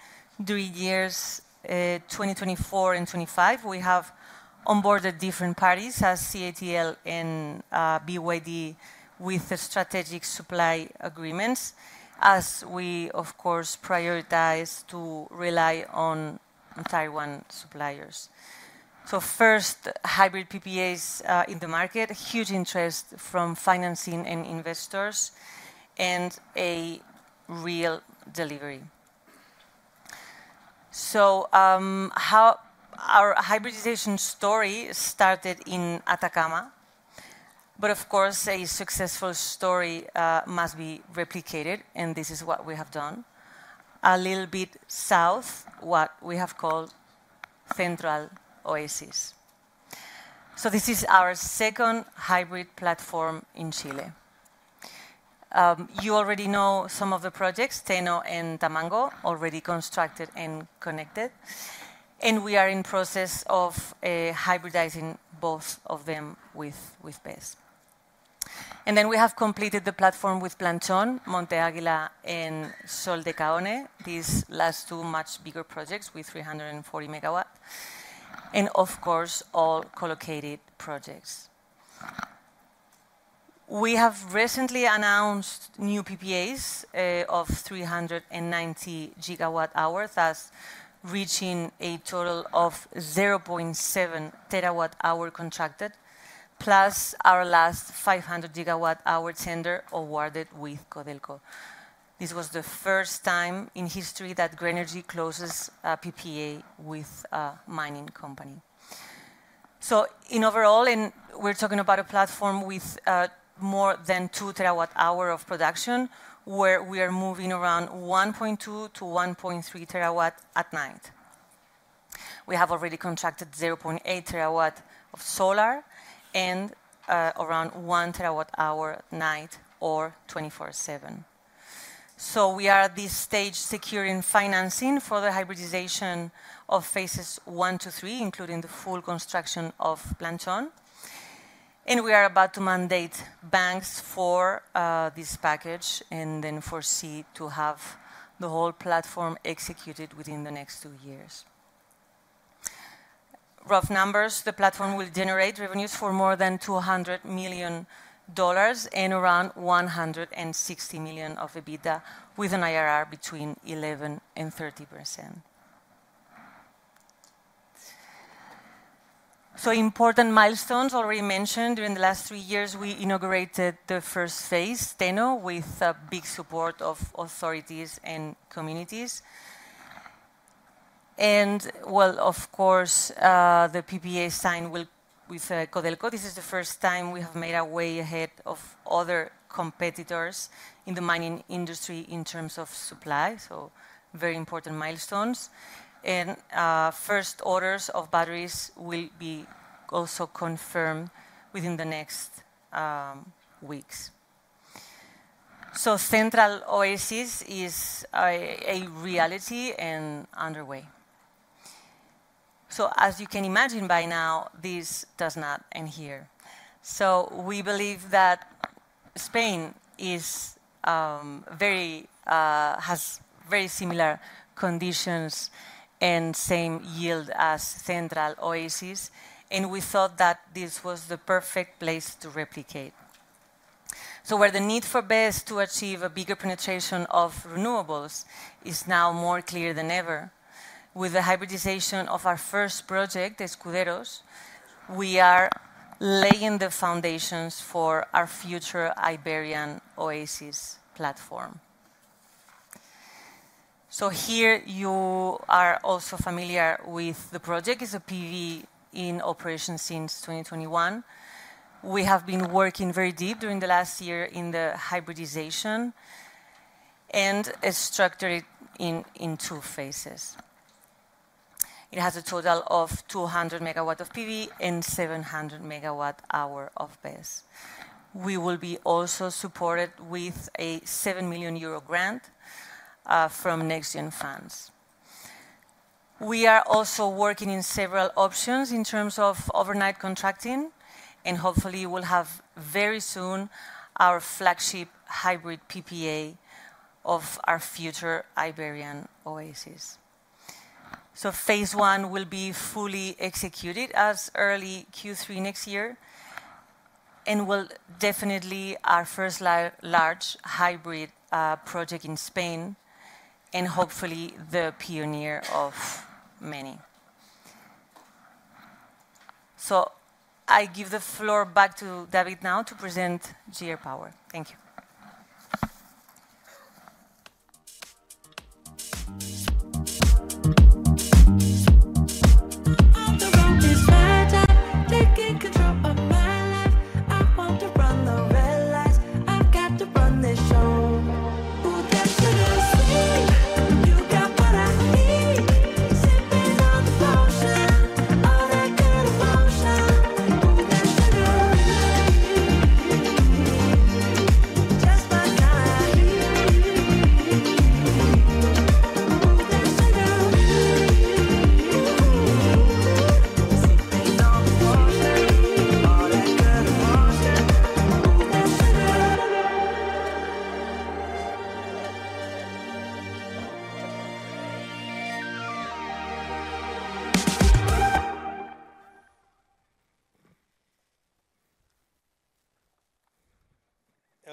during years 2024 and 2025, we have onboarded different parties as CATL and BYD with the strategic supply agreements, as we, of course, prioritize to rely on tier one suppliers. First, hybrid PPAs in the market, huge interest from financing and investors, and a real delivery. Our hybridization story started in Atacama, but of course, a successful story must be replicated, and this is what we have done. A little bit south, what we have called Central Oasis. This is our second hybrid platform in Chile. You already know some of the projects, Teno and Tamango, already constructed and connected. We are in the process of hybridizing both of them with BESS. We have completed the platform with Planchón, Monte Águila, and Sol de Caone. These last two are much bigger projects with 340 megawatts, and of course, all co-located projects. We have recently announced new PPAs of 390 gigawatt hours, thus reaching a total of 0.7 terawatt hour contracted, plus our last 500 gigawatt hour tender awarded with Codelco. This was the first time in history that Grenergy Renovables closes a PPA with a mining company. In overall, we are talking about a platform with more than 2 terawatt hour of production, where we are moving around 1.2-1.3 terawatt at night. We have already contracted 0.8 terawatt of solar and around 1 terawatt hour at night or 24/7. At this stage, we are securing financing for the hybridization of Phases One to Three, including the full construction of Planchón. We are about to mandate banks for this package and then foresee to have the whole platform executed within the next two years. Rough numbers, the platform will generate revenues for more than $200 million and around $160 million of EBITDA with an IRR between 11%-30%. Important milestones already mentioned. During the last three years, we inaugurated the first phase, Teno, with big support of authorities and communities. Of course, the PPA signed with Codelco. This is the first time we have made our way ahead of other competitors in the mining industry in terms of supply. Very important milestones. First orders of batteries will be also confirmed within the next weeks. Central Oasis is a reality and underway. As you can imagine by now, this does not end here. We believe that Spain has very similar conditions and same yield as Central Oasis. We thought that this was the perfect place to replicate. Where the need for BESS to achieve a bigger penetration of renewables is now more clear than ever, with the hybridization of our first project, Escuderos, we are laying the foundations for our future Iberian Oasis platform. You are also familiar with the project. It's a PV in operation since 2021. We have been working very deep during the last year in the hybridization and structured it in two phases. It has a total of 200 megawatts of PV and 700 megawatt hour of BESS. We will be also supported with a 7 million euro grant from Next Gen Funds. We are also working in several options in terms of overnight contracting, and hopefully we'll have very soon our flagship hybrid PPA of our future Iberian Oasis. Phase one will be fully executed as early Q3 next year, and will definitely be our first large hybrid project in Spain and hopefully the pioneer of many. I give the floor back to David now to present GR Power. Thank you.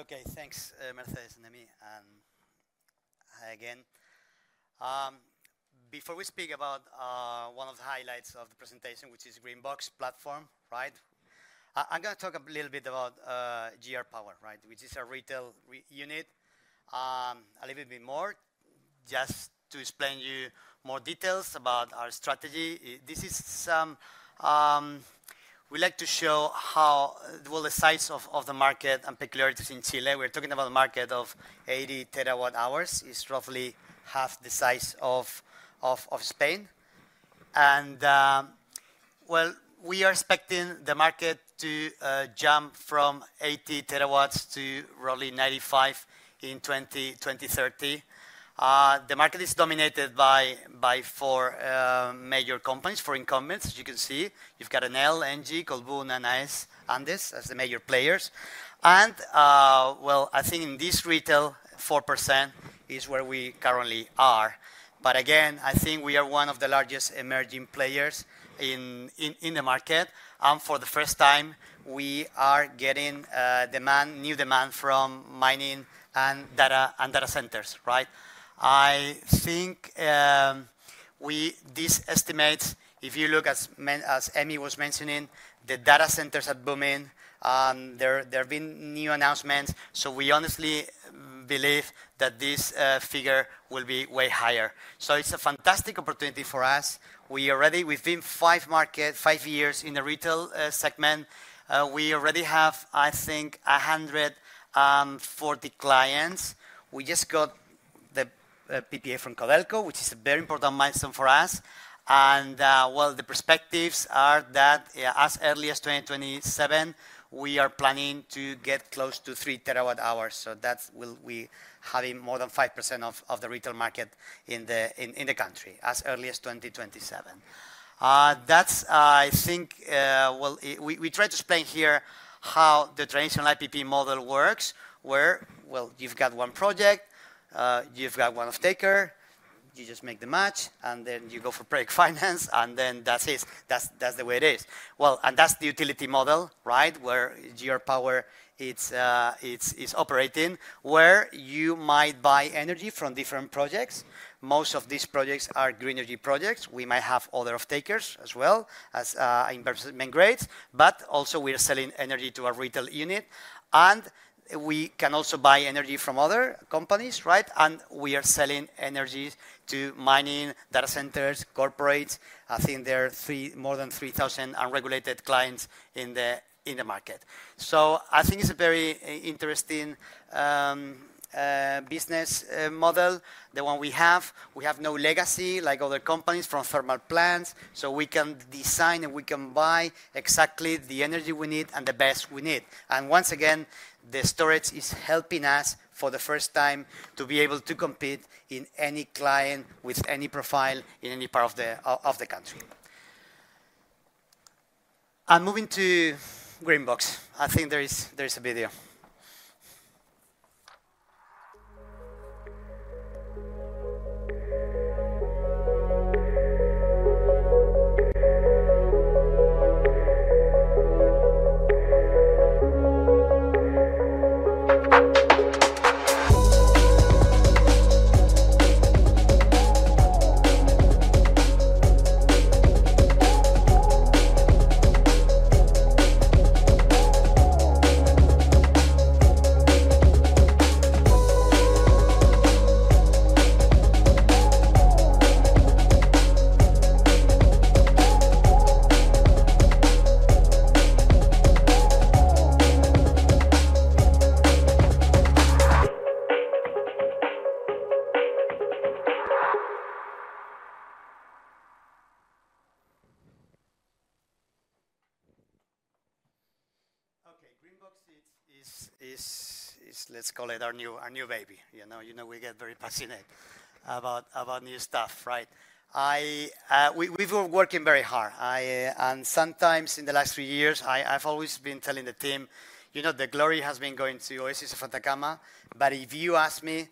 All the road is magic, taking control of my life. I want to run the red lights. I've got to run this show. Ooh, that sugar sweet, you got what I need. Sipping on the potion, all that good emotion. Ooh, that sugar sweet, just my kind. Ooh, that sugar sweet, sipping on the potion, all that good emotion. Ooh, that sugar sweet. Okay, thanks, Mercedes and Emi, and hi again. Before we speak about one of the highlights of the presentation, which is Greenbox Platform, right? I'm going to talk a little bit about GR Power, right, which is a retail unit. A little bit more, just to explain to you more details about our strategy. This is something we like to show, how the size of the market and peculiarities in Chile. We're talking about a market of 80 terawatt hours. It's roughly half the size of Spain. We are expecting the market to jump from 80 terawatt hours to roughly 95 in 2030. The market is dominated by four major companies, four incumbents, as you can see. You've got an LNG called Boone and Andes as the major players. I think in this retail, 4% is where we currently are. Again, I think we are one of the largest emerging players in the market. For the first time, we are getting new demand from mining and data centers, right? I think this estimate, if you look at, as Emi was mentioning, the data centers are booming. There have been new announcements. We honestly believe that this figure will be way higher. It is a fantastic opportunity for us. We have been five years in the retail segment. We already have, I think, 140 clients. We just got the PPA from Codelco, which is a very important milestone for us. The perspectives are that as early as 2027, we are planning to get close to 3 terawatt hours. That will be having more than 5% of the retail market in the country as early as 2027. That's, I think, we try to explain here how the traditional IPP model works, where, you've got one project, you've got one off-taker, you just make the match, and then you go for project finance, and then that's it. That's the way it is. That's the utility model, right, where GR Power is operating, where you might buy energy from different projects. Most of these projects are green energy projects. We might have other off-takers as well as investment grades, but also we are selling energy to a retail unit. We can also buy energy from other companies, right? We are selling energy to mining, data centers, corporates. I think there are more than 3,000 unregulated clients in the market. I think it's a very interesting business model, the one we have. We have no legacy like other companies from thermal plants. We can design and we can buy exactly the energy we need and the best we need. Once again, the storage is helping us for the first time to be able to compete in any client with any profile in any part of the country. I'm moving to Greenbox. I think there is a video. Okay, Greenbox, let's call it our new baby. You know, we get very fascinated about new stuff, right? We've been working very hard. Sometimes in the last three years, I've always been telling the team, you know, the glory has been going to Oasis of Atacama. If you ask me,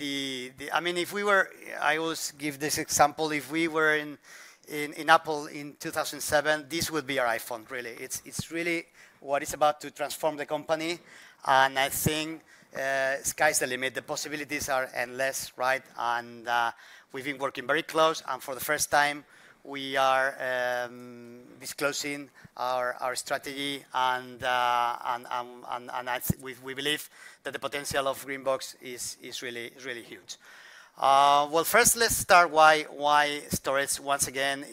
I mean, if we were, I always give this example, if we were in Apple in 2007, this would be our iPhone, really. It's really what is about to transform the company. I think sky's the limit. The possibilities are endless, right? We have been working very close. For the first time, we are disclosing our strategy. We believe that the potential of Greenbox is really huge. First, let's start with why storage, once again,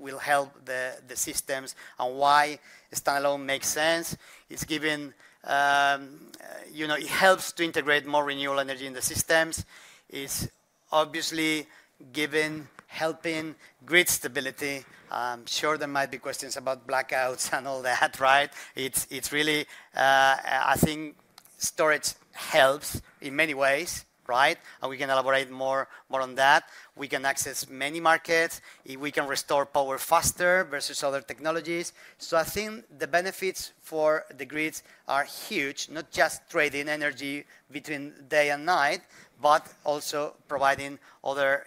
will help the systems and why standalone makes sense. It is given, it helps to integrate more renewable energy in the systems. It is obviously given, helping grid stability. I am sure there might be questions about blackouts and all that, right? It is really, I think, storage helps in many ways, right? We can elaborate more on that. We can access many markets. We can restore power faster versus other technologies. I think the benefits for the grids are huge, not just trading energy between day and night, but also providing other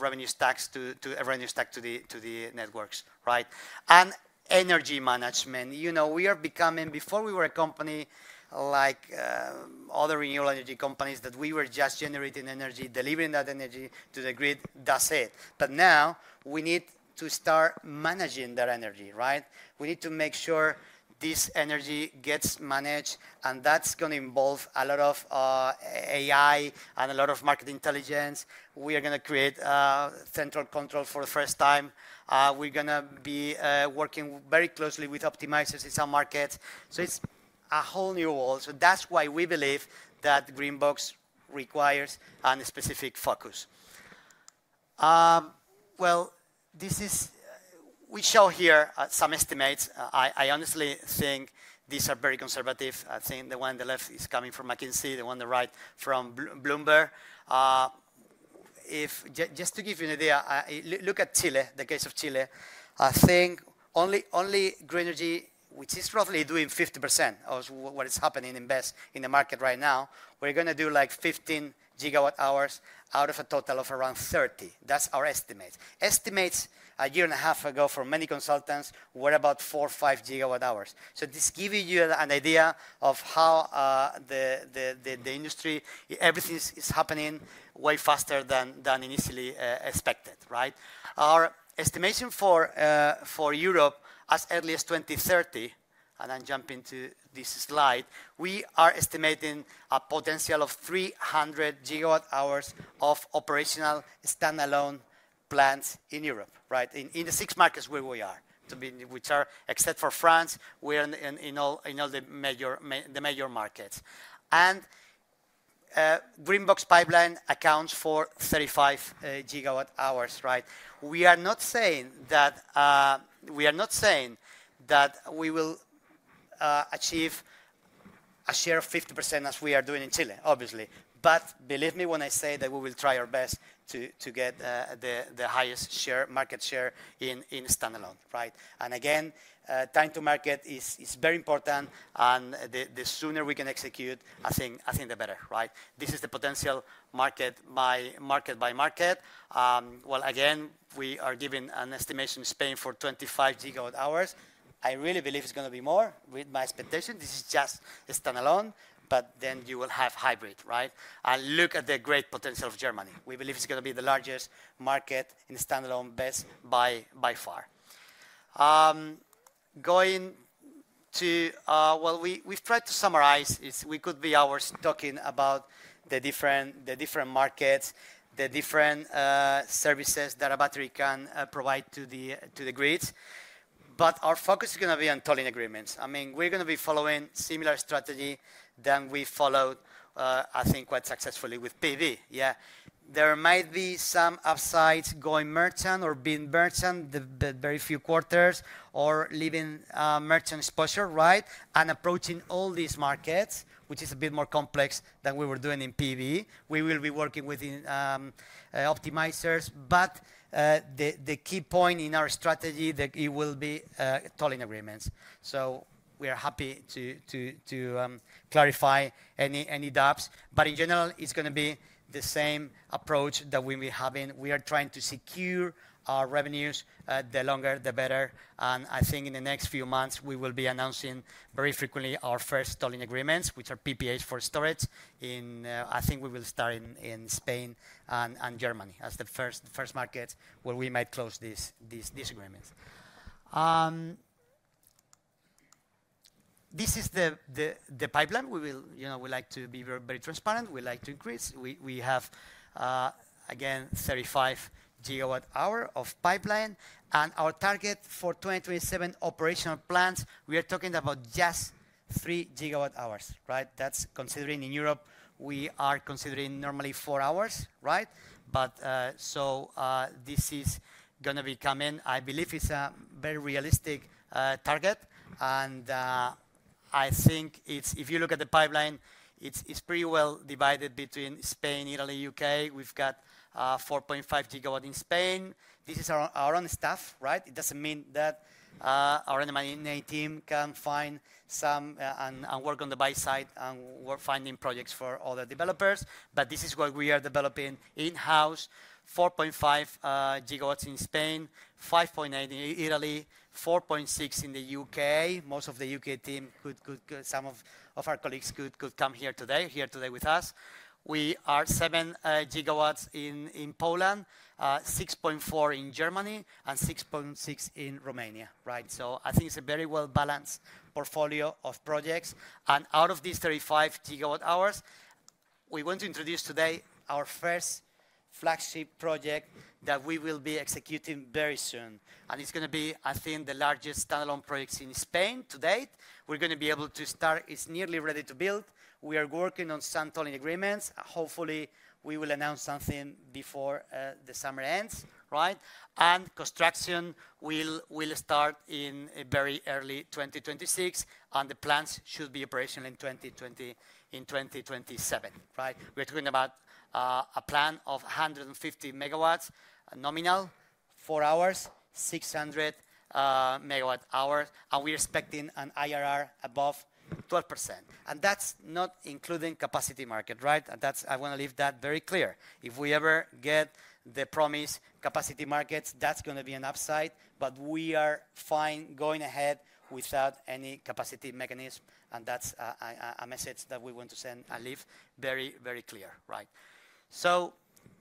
revenue stacks to the networks, right? And energy management. We are becoming, before we were a company like other renewable energy companies, that we were just generating energy, delivering that energy to the grid, that's it. Now we need to start managing that energy, right? We need to make sure this energy gets managed. That is going to involve a lot of AI and a lot of market intelligence. We are going to create central control for the first time. We are going to be working very closely with optimizers in some markets. It is a whole new world. That is why we believe that Greenbox requires a specific focus. We show here some estimates. I honestly think these are very conservative. I think the one on the left is coming from McKinsey, the one on the right from Bloomberg. Just to give you an idea, look at Chile, the case of Chile. I think only green energy, which is roughly doing 50% of what is happening in BESS in the market right now, we're going to do like 15 gigawatt hours out of a total of around 30. That's our estimates. Estimates a year and a half ago for many consultants were about 4 or 5 gigawatt hours. This gives you an idea of how the industry, everything is happening way faster than initially expected, right? Our estimation for Europe as early as 2030, and I'm jumping to this slide, we are estimating a potential of 300 gigawatt hours of operational standalone plants in Europe, right? In the six markets where we are, which are except for France, we are in all the major markets. Greenbox Pipeline accounts for 35 gigawatt hours, right? We are not saying that we will achieve a share of 50% as we are doing in Chile, obviously. Believe me when I say that we will try our best to get the highest market share in standalone, right? Again, time to market is very important. The sooner we can execute, I think the better, right? This is the potential market by market. We are giving an estimation in Spain for 25 gigawatt hours. I really believe it is going to be more with my expectation. This is just standalone, but then you will have hybrid, right? Look at the great potential of Germany. We believe it is going to be the largest market in standalone BESS by far. We have tried to summarize it. We could be hours talking about the different markets, the different services that a battery can provide to the grid. Our focus is going to be on tolling agreements. I mean, we're going to be following a similar strategy than we followed, I think, quite successfully with PV. Yeah. There might be some upsides going merchant or being merchant the very few quarters or leaving merchant exposure, right? Approaching all these markets, which is a bit more complex than we were doing in PV. We will be working with optimizers. The key point in our strategy, it will be tolling agreements. We are happy to clarify any doubts. In general, it's going to be the same approach that we'll be having. We are trying to secure our revenues. The longer, the better. I think in the next few months, we will be announcing very frequently our first tolling agreements, which are PPAs for storage. I think we will start in Spain and Germany as the first market where we might close these agreements. This is the pipeline. We like to be very transparent. We like to increase. We have, again, 35 gigawatt hours of pipeline. Our target for 2027 operational plants, we are talking about just 3 gigawatt hours, right? That is considering in Europe, we are considering normally 4 hours, right? This is going to be coming. I believe it is a very realistic target. I think if you look at the pipeline, it is pretty well divided between Spain, Italy, U.K. We have got 4.5 gigawatt in Spain. This is our own stuff, right? It doesn't mean that our NMI team can find some and work on the buy side and finding projects for other developers. This is what we are developing in-house. 4.5 gigawatts in Spain, 5.8 in Italy, 4.6 in the U.K. Most of the U.K. team, some of our colleagues could come here today with us. We are 7 gigawatts in Poland, 6.4 in Germany, and 6.6 in Romania, right? I think it's a very well-balanced portfolio of projects. Out of these 35 gigawatt hours, we want to introduce today our first flagship project that we will be executing very soon. It's going to be, I think, the largest standalone project in Spain to date. We're going to be able to start. It's nearly ready to build. We are working on some tolling agreements. Hopefully, we will announce something before the summer ends, right? Construction will start in very early 2026. The plants should be operational in 2027, right? We're talking about a plan of 150 megawatts nominal, 4 hours, 600 megawatt hours. We're expecting an IRR above 12%. That's not including capacity market, right? I want to leave that very clear. If we ever get the promised capacity markets, that's going to be an upside. We are fine going ahead without any capacity mechanism. That's a message that we want to send and leave very, very clear, right?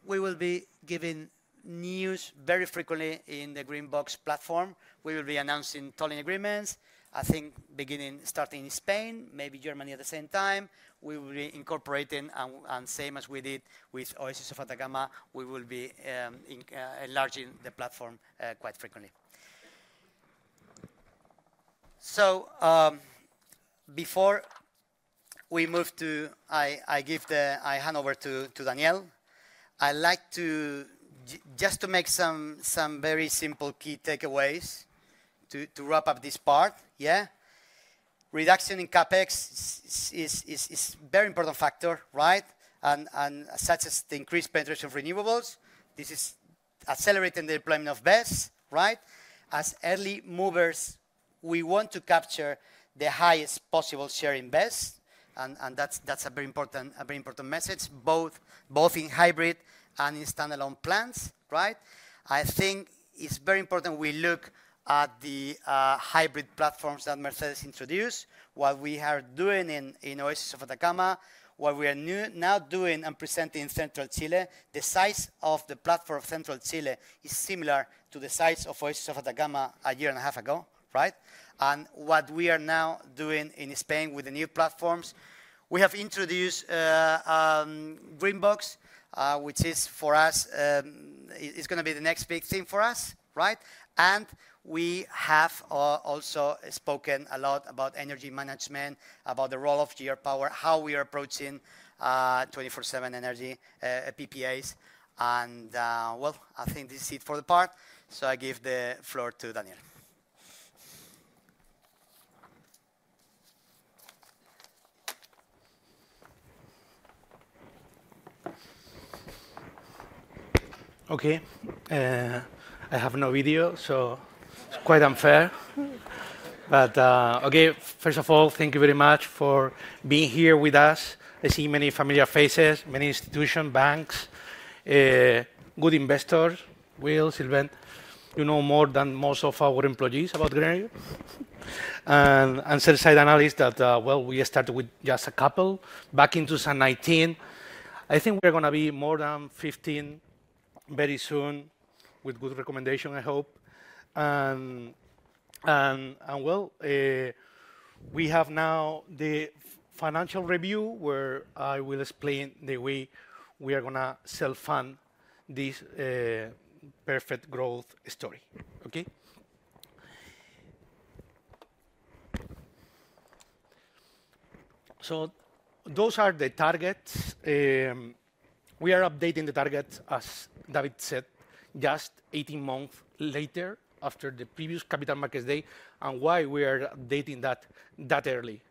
We will be giving news very frequently in the Greenbox platform. We will be announcing tolling agreements, I think starting in Spain, maybe Germany at the same time. We will be incorporating, and same as we did with Oasis of Atacama, we will be enlarging the platform quite frequently. Before we move to, I hand over to Daniel, I'd like to just make some very simple key takeaways to wrap up this part, yeah? Reduction in CapEx is a very important factor, right? Such as the increased penetration of renewables, this is accelerating the deployment of BESS, right? As early movers, we want to capture the highest possible share in BESS. That is a very important message, both in hybrid and in standalone plants, right? I think it is very important we look at the hybrid platforms that Mercedes introduced, what we are doing in Oasis of Atacama, what we are now doing and presenting in Central Chile. The size of the platform of Central Chile is similar to the size of Oasis of Atacama a year and a half ago, right? What we are now doing in Spain with the new platforms. We have introduced Greenbox, which is for us, it's going to be the next big thing for us, right? We have also spoken a lot about energy management, about the role of GR Power, how we are approaching 24/7 energy PPAs. I think this is it for the part. I give the floor to Daniel. Okay. I have no video, so it's quite unfair. Okay, first of all, thank you very much for being here with us. I see many familiar faces, many institutions, banks, good investors. Will, Sylvain, you know more than most of our employees about Grenergy. Inside analysts that, well, we started with just a couple back in 2019. I think we're going to be more than 15 very soon with good recommendations, I hope. We have now the financial review where I will explain the way we are going to self-fund this perfect growth story, okay? Those are the targets. We are updating the targets, as David said, just 18 months later after the previous capital markets day. Why are we updating that early?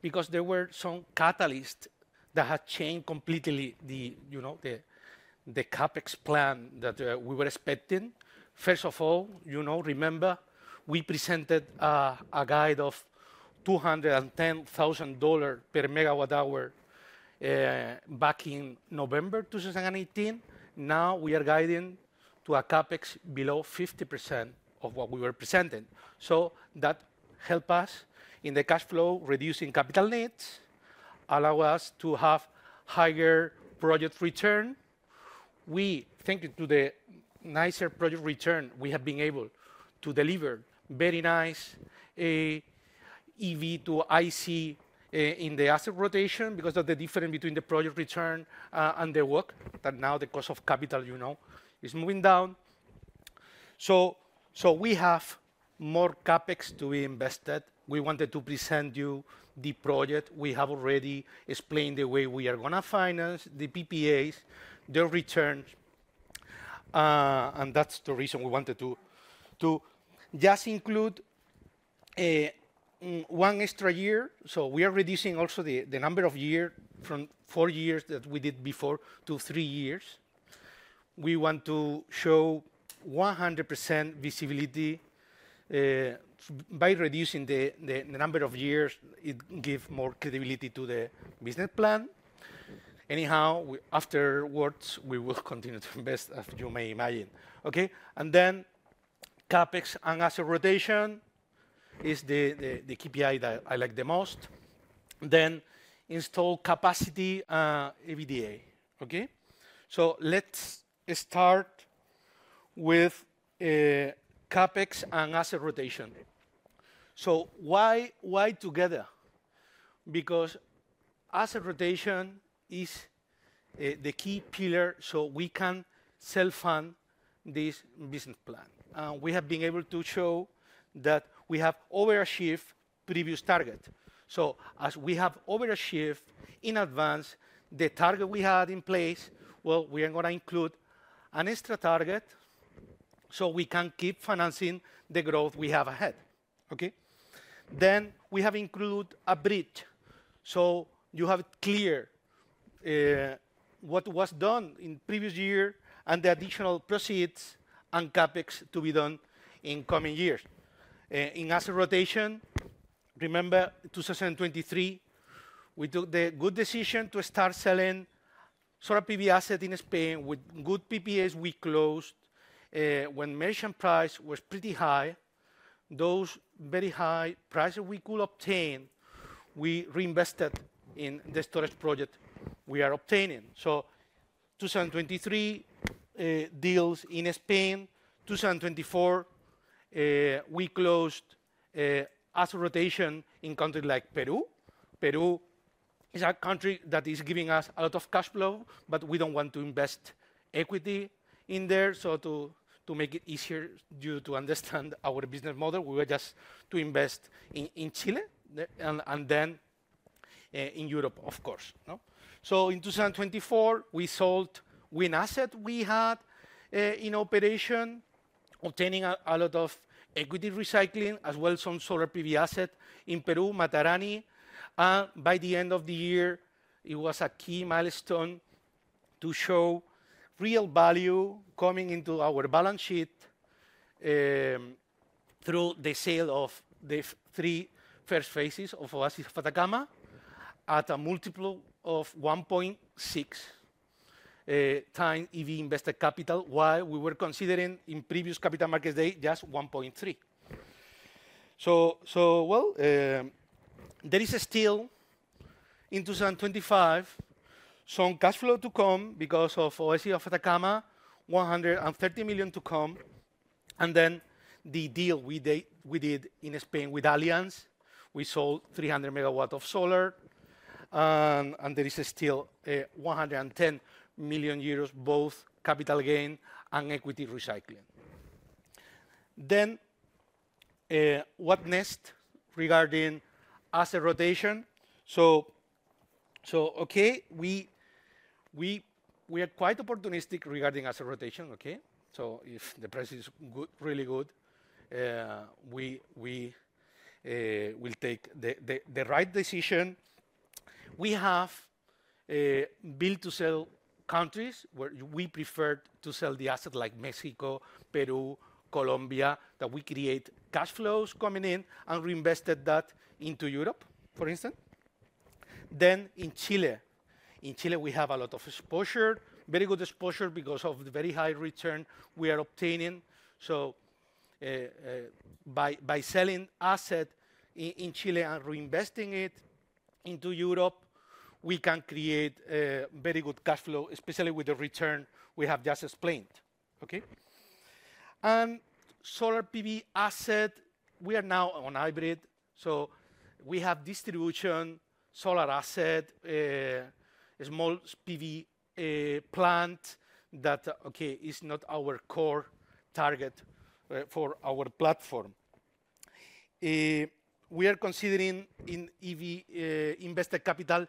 Because there were some catalysts that have changed completely the CapEx plan that we were expecting. First of all, remember, we presented a guide of $210,000 per megawatt hour back in November 2018. Now we are guiding to a CapEx below 50% of what we were presenting. That helped us in the cash flow, reducing capital needs, allowing us to have higher project return. We think to the nicer project return, we have been able to deliver very nice EV/IC in the asset rotation because of the difference between the project return and the work that now the cost of capital is moving down. We have more CapEx to be invested. We wanted to present you the project. We have already explained the way we are going to finance the PPAs, the returns. That is the reason we wanted to just include one extra year. We are reducing also the number of years from four years that we did before to three years. We want to show 100% visibility. By reducing the number of years, it gives more credibility to the business plan. Anyhow, afterwards, we will continue to invest, as you may imagine. Okay? CapEx and asset rotation is the KPI that I like the most. Install capacity EBITDA, okay? Let's start with CapEx and asset rotation. Why together? Because asset rotation is the key pillar so we can self-fund this business plan. We have been able to show that we have overachieved previous target. As we have overachieved in advance, the target we had in place, we are going to include an extra target so we can keep financing the growth we have ahead, okay? We have included a bridge so you have it clear what was done in the previous year and the additional proceeds and CapEx to be done in coming years. In asset rotation, remember in 2023, we took the good decision to start selling solar PV assets in Spain with good PPAs we closed when merchant price was pretty high. Those very high prices we could obtain, we reinvested in the storage project we are obtaining. 2023 deals in Spain, 2024, we closed asset rotation in countries like Peru. Peru is a country that is giving us a lot of cash flow, but we do not want to invest equity in there. To make it easier for you to understand our business model, we were just to invest in Chile and then in Europe, of course. In 2024, we sold wind assets we had in operation, obtaining a lot of equity recycling, as well as some solar PV assets in Peru, Matarani. By the end of the year, it was a key milestone to show real value coming into our balance sheet through the sale of the three first phases of Oasis of Atacama at a multiple of 1.6 times EV invested capital, while we were considering in previous capital markets day just 1.3. There is still in 2025 some cash flow to come because of Oasis of Atacama, 130 million to come. The deal we did in Spain with Allianz, we sold 300 megawatts of solar. There is still 110 million euros, both capital gain and equity recycling. What next regarding asset rotation? We are quite opportunistic regarding asset rotation, okay? If the price is really good, we will take the right decision. We have built-to-sell countries where we preferred to sell the assets like Mexico, Peru, Colombia, that we create cash flows coming in and reinvested that into Europe, for instance. In Chile, we have a lot of exposure, very good exposure because of the very high return we are obtaining. By selling assets in Chile and reinvesting it into Europe, we can create very good cash flow, especially with the return we have just explained, okay? In solar PV asset, we are now on hybrid. We have distribution solar asset, small PV plant that, okay, is not our core target for our platform. We are considering in EV/IC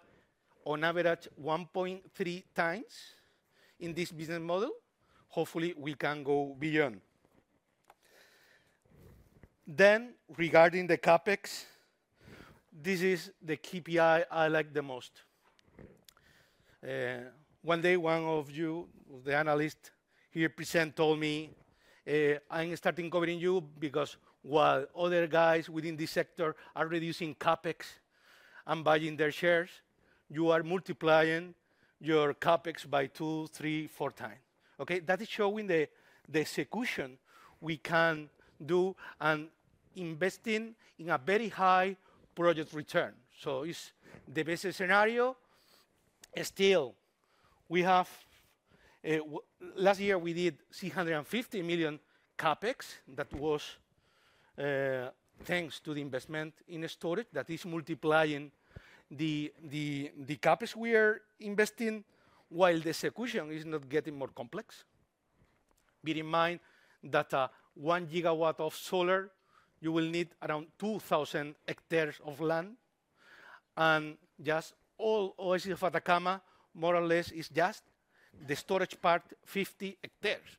on average 1.3 times in this business model. Hopefully, we can go beyond. Regarding the CapEx, this is the KPI I like the most. One day, one of you, the analyst here present, told me, "I'm starting covering you because while other guys within this sector are reducing CapEx and buying their shares, you are multiplying your CapEx by two, three, four times." Okay? That is showing the execution we can do and investing in a very high project return. It is the best scenario. Still, last year, we did $650 million CapEx. That was thanks to the investment in storage that is multiplying the CapEx we are investing while the execution is not getting more complex. Bear in mind that one gigawatt of solar, you will need around 2,000 hectares of land. Just all Oasis of Atacama, more or less, is just the storage part, 50 hectares.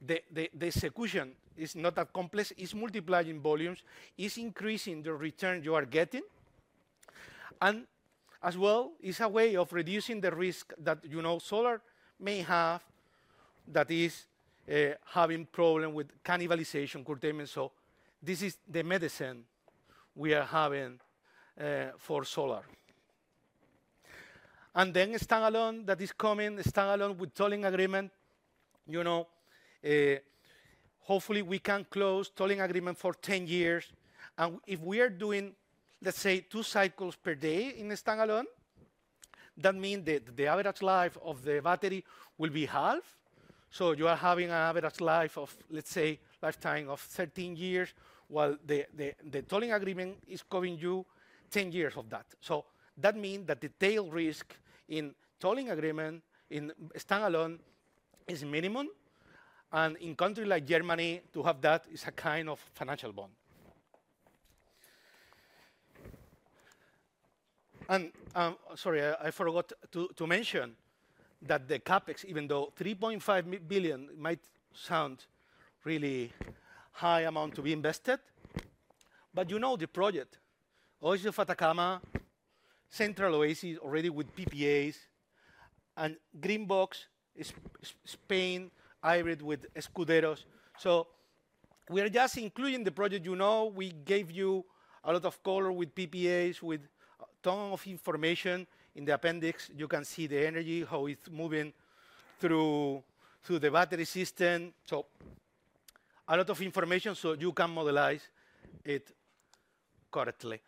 The execution is not that complex. It is multiplying volumes. It is increasing the return you are getting. It is a way of reducing the risk that solar may have, that is having problem with cannibalization, curtailment. This is the medicine we are having for solar. Standalone is coming, standalone with tolling agreement. Hopefully, we can close tolling agreement for 10 years. If we are doing, let's say, two cycles per day in standalone, that means that the average life of the battery will be half. You are having an average life of, let's say, lifetime of 13 years, while the tolling agreement is covering you 10 years of that. That means that the tail risk in tolling agreement in standalone is minimum. In countries like Germany, to have that is a kind of financial bond. Sorry, I forgot to mention that the CapEx, even though $3.5 billion might sound like a really high amount to be invested, you know the project, Oasis of Atacama, Central Oasis already with PPAs, and Greenbox Spain hybrid with Escuderos. We are just including the project. We gave you a lot of color with PPAs, with a ton of information in the appendix. You can see the energy, how it is moving through the battery system. A lot of information so you can modelize it correctly.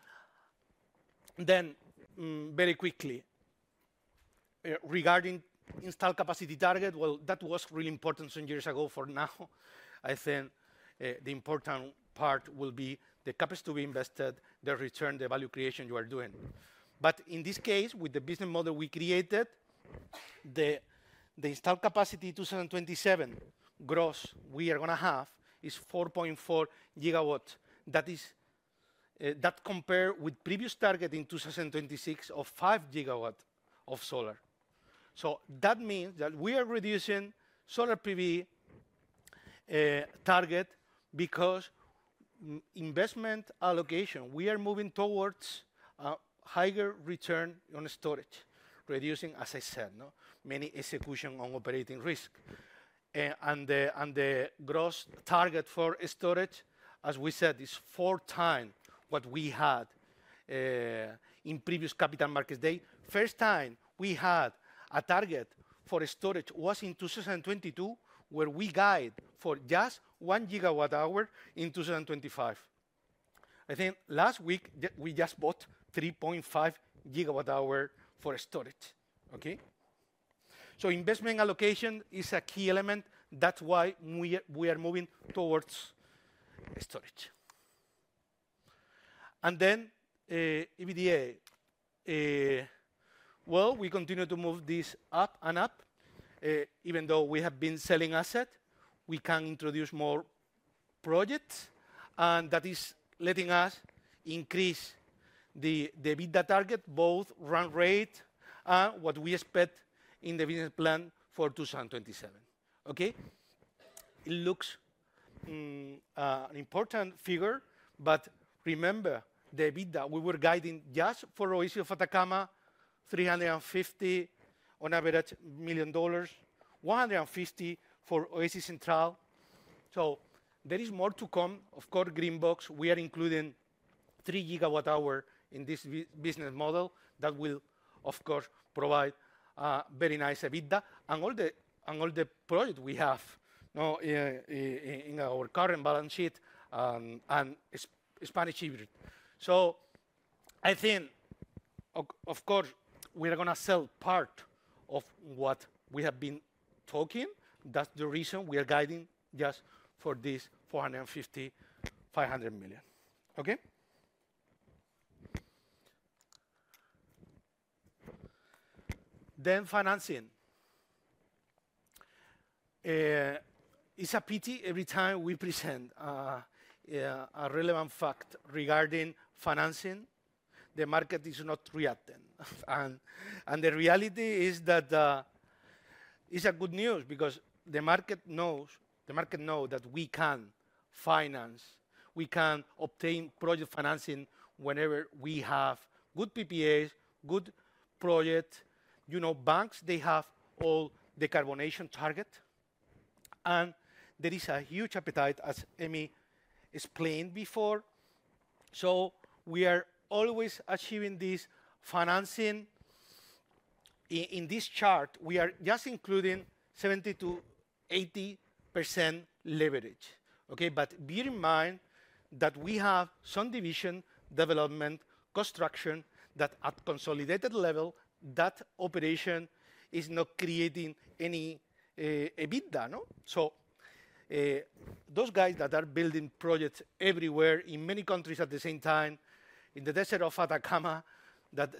Very quickly, regarding install capacity target, that was really important some years ago. For now, I think the important part will be the CapEx to be invested, the return, the value creation you are doing. In this case, with the business model we created, the install capacity 2027 gross we are going to have is 4.4 gigawatts. That compared with previous target in 2026 of 5 gigawatts of solar. That means that we are reducing solar PV target because investment allocation, we are moving towards a higher return on storage, reducing, as I said, many execution on operating risk. The gross target for storage, as we said, is four times what we had in previous capital markets day. First time we had a target for storage was in 2022, where we guide for just 1 gigawatt hour in 2025. I think last week, we just bought 3.5 gigawatt hour for storage, okay? Investment allocation is a key element. That is why we are moving towards storage. EBITDA, we continue to move this up and up. Even though we have been selling assets, we can introduce more projects. That is letting us increase the EBITDA target, both run rate and what we expect in the business plan for 2027, okay? It looks an important figure, but remember the EBITDA we were guiding just for Oasis of Atacama, $350 million on average, $150 million for Oasis Central. There is more to come. Of course, Greenbox, we are including 3 gigawatt hour in this business model that will, of course, provide very nice EBITDA and all the projects we have in our current balance sheet and Spanish EBITDA. I think, of course, we are going to sell part of what we have been talking. That is the reason we are guiding just for this $450-$500 million, okay? Financing. It is a pity every time we present a relevant fact regarding financing, the market is not reacting. The reality is that it's good news because the market knows that we can finance. We can obtain project financing whenever we have good PPAs, good projects. Banks, they have all the carbonation target. There is a huge appetite, as Amie explained before. We are always achieving this financing. In this chart, we are just including 70-80% leverage, okay? Bear in mind that we have some division development construction that at consolidated level, that operation is not creating any EBITDA. Those guys that are building projects everywhere in many countries at the same time in the desert of Atacama,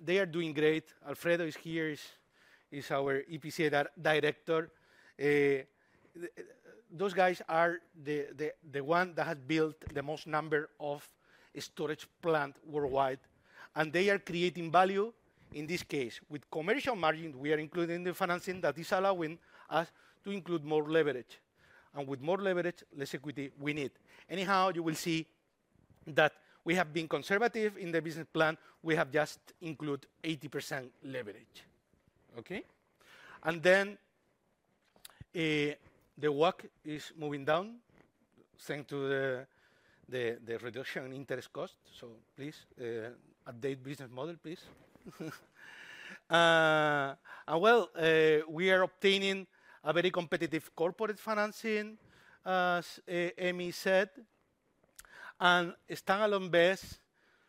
they are doing great. Alfredo is here, is our EPC Director. Those guys are the ones that have built the most number of storage plants worldwide. They are creating value. In this case, with commercial margin, we are including the financing that is allowing us to include more leverage. With more leverage, less equity we need. Anyhow, you will see that we have been conservative in the business plan. We have just included 80% leverage, okay? The work is moving down thanks to the reduction in interest cost. Please update the business model, please. We are obtaining a very competitive corporate financing, as Amie said. Standalone-based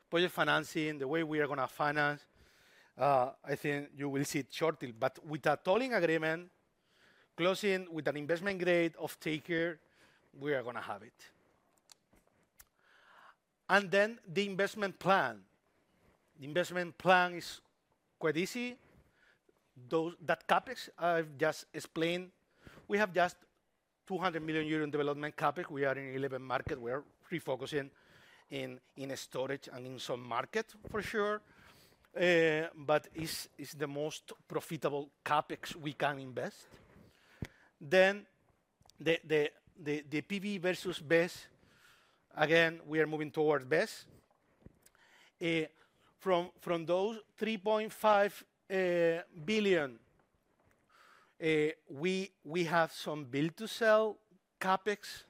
project financing, the way we are going to finance, I think you will see it shortly. With a tolling agreement closing with an investment grade off-taker, we are going to have it. The investment plan is quite easy. That CapEx I have just explained, we have just 200 million euro in development CapEx. We are in an eleven market. We are refocusing in storage and in some market for sure, but it's the most profitable CapEx we can invest. Then the PV versus BESS, again, we are moving towards BESS. From those $3.5 billion, we have some build-to-sell CapEx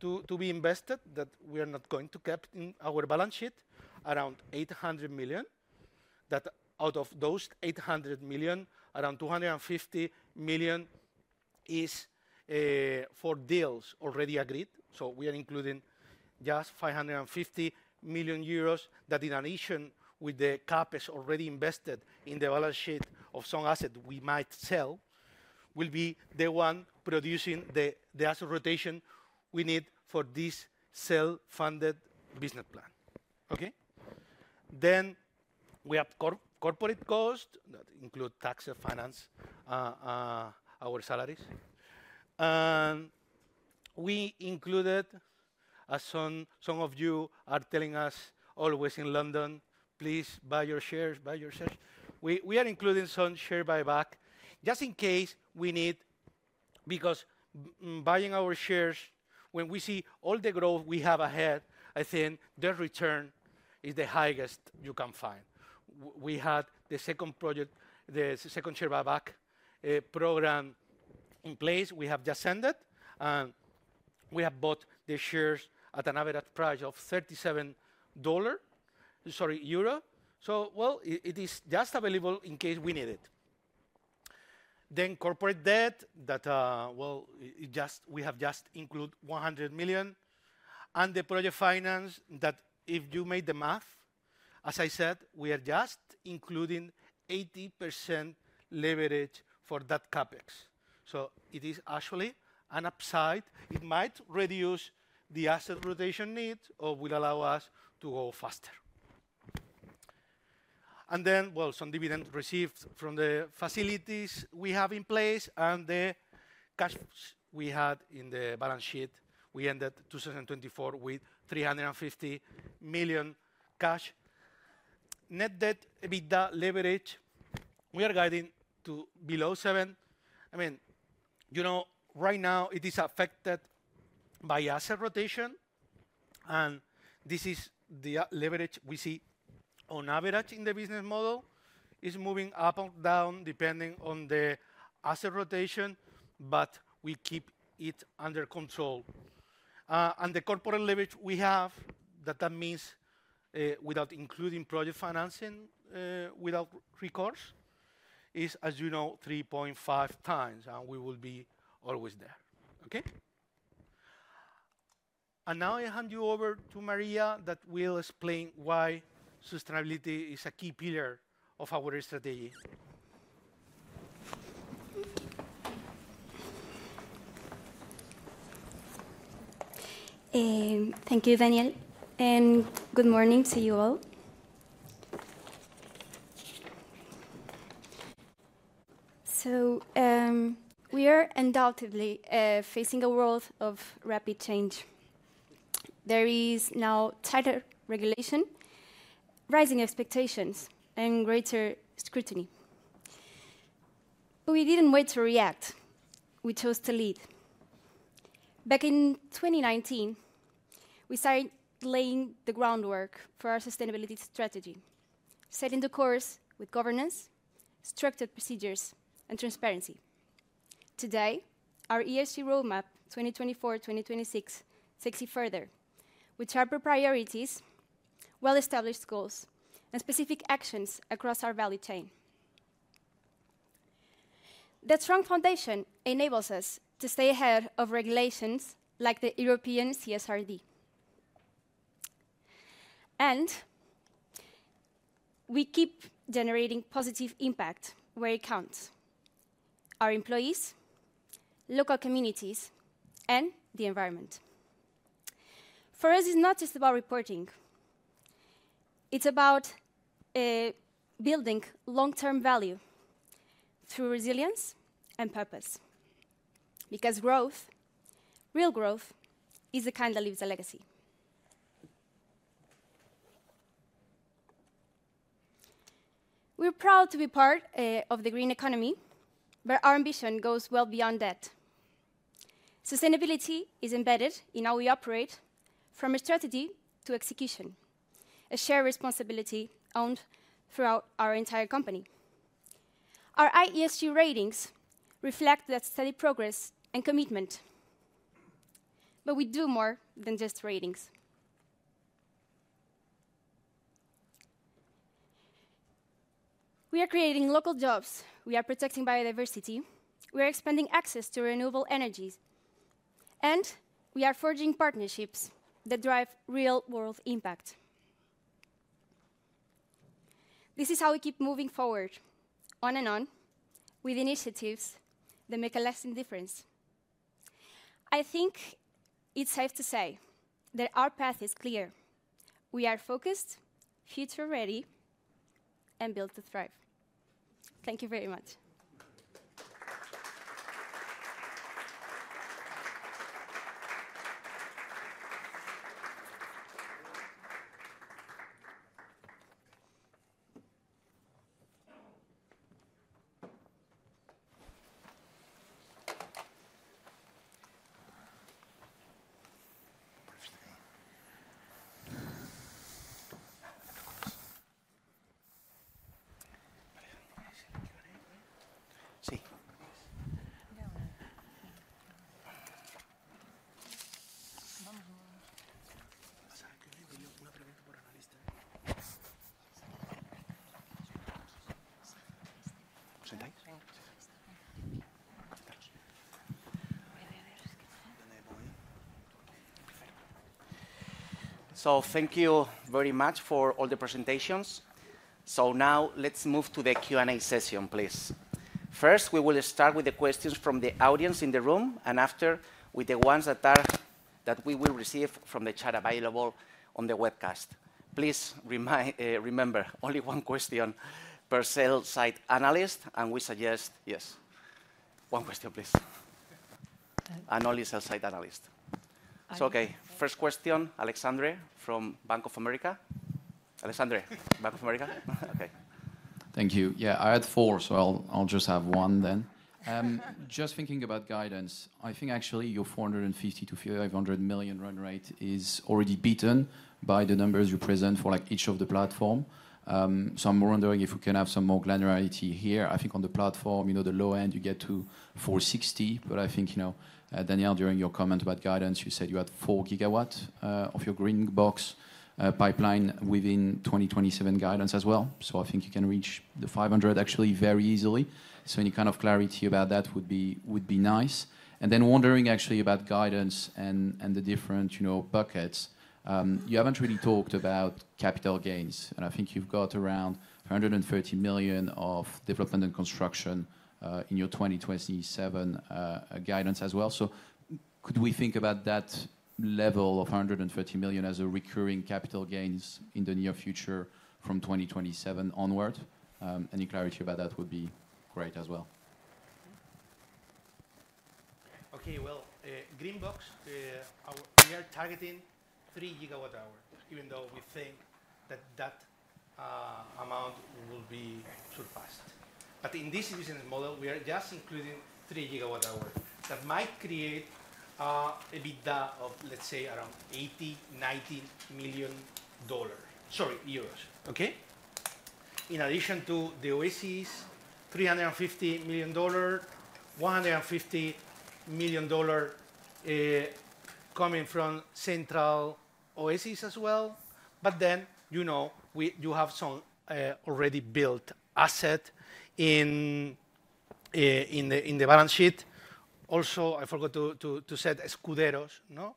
to be invested that we are not going to cap in our balance sheet, around 800 million. That out of those 800 million, around 250 million is for deals already agreed. We are including just 550 million euros that in addition with the CapEx already invested in the balance sheet of some asset we might sell, will be the one producing the asset rotation we need for this sale-funded business plan, okay? We have corporate costs that include tax and finance, our salaries. We included, as some of you are telling us always in London, "Please buy your shares, buy your shares." We are including some share buyback just in case we need because buying our shares, when we see all the growth we have ahead, I think the return is the highest you can find. We had the second project, the second share buyback program in place. We have just sent it. We have bought the shares at an average price of EUR 37. Sorry, euro. It is just available in case we need it. Corporate debt that, we have just included 100 million. The project finance that if you made the math, as I said, we are just including 80% leverage for that CapEx. It is actually an upside. It might reduce the asset rotation need or will allow us to go faster. Then, some dividend received from the facilities we have in place and the cash we had in the balance sheet. We ended 2024 with $350 million cash. Net debt, EBITDA, leverage, we are guiding to below seven. I mean, you know, right now it is affected by asset rotation. This is the leverage we see on average in the business model. It is moving up or down depending on the asset rotation, but we keep it under control. The corporate leverage we have, that means without including project financing, without recourse, is, as you know, 3.5 times, and we will be always there, okay? Now I hand you over to Maria that will explain why sustainability is a key pillar of our strategy. Thank you, Daniel. Good morning to you all. We are undoubtedly facing a world of rapid change. There is now tighter regulation, rising expectations, and greater scrutiny. We did not wait to react. We chose to lead. Back in 2019, we started laying the groundwork for our sustainability strategy, setting the course with governance, structured procedures, and transparency. Today, our ESG roadmap 2024-2026 takes you further, with sharper priorities, well-established goals, and specific actions across our value chain. That strong foundation enables us to stay ahead of regulations like the European CSRD. We keep generating positive impact where it counts: our employees, local communities, and the environment. For us, it is not just about reporting. It is about building long-term value through resilience and purpose. Growth, real growth, is the kind that leaves a legacy. We are proud to be part of the green economy, but our ambition goes well beyond that. Sustainability is embedded in how we operate, from a strategy to execution, a shared responsibility owned throughout our entire company. Our ESG ratings reflect that steady progress and commitment. We do more than just ratings. We are creating local jobs. We are protecting biodiversity. We are expanding access to renewable energies. We are forging partnerships that drive real-world impact. This is how we keep moving forward, on and on, with initiatives that make a lasting difference. I think it's safe to say that our path is clear. We are focused, future-ready, and built to thrive. Thank you very much. Thank you very much for all the presentations. Now let's move to the Q&A session, please. First, we will start with the questions from the audience in the room, and after, with the ones that we will receive from the chat available on the webcast. Please remember, only one question per sales site analyst, and we suggest yes. One question, please. And only sales site analyst. Okay, first question, Alexandre from Bank of America. Alexandre, Bank of America. Okay. Thank you. Yeah, I had four, so I'll just have one then. Just thinking about guidance, I think actually your $450 million-$500 million run rate is already beaten by the numbers you present for each of the platforms. I am wondering if we can have some more granularity here. I think on the platform, you know, the low end, you get to $460 million, but I think, you know, Daniel, during your comment about guidance, you said you had 4 gigawatts of your green box pipeline within 2027 guidance as well. I think you can reach the $500 million actually very easily. Any kind of clarity about that would be nice. Then wondering actually about guidance and the different buckets, you have not really talked about capital gains. I think you have got around 130 million of development and construction in your 2027 guidance as well. Could we think about that level of 130 million as a recurring capital gains in the near future from 2027 onward? Any clarity about that would be great as well. Okay, green box, we are targeting 3 gigawatt-hour, even though we think that that amount will be surpassed. In this business model, we are just including 3 gigawatt-hour. That might create EBITDA of, let's say, around EUR 80-90 million, sorry, euros, okay? In addition to the O&Ms, $350 million, $150 million coming from central O&Ms as well. You know, you have some already built asset in the balance sheet. Also, I forgot to say, Escuderos, no?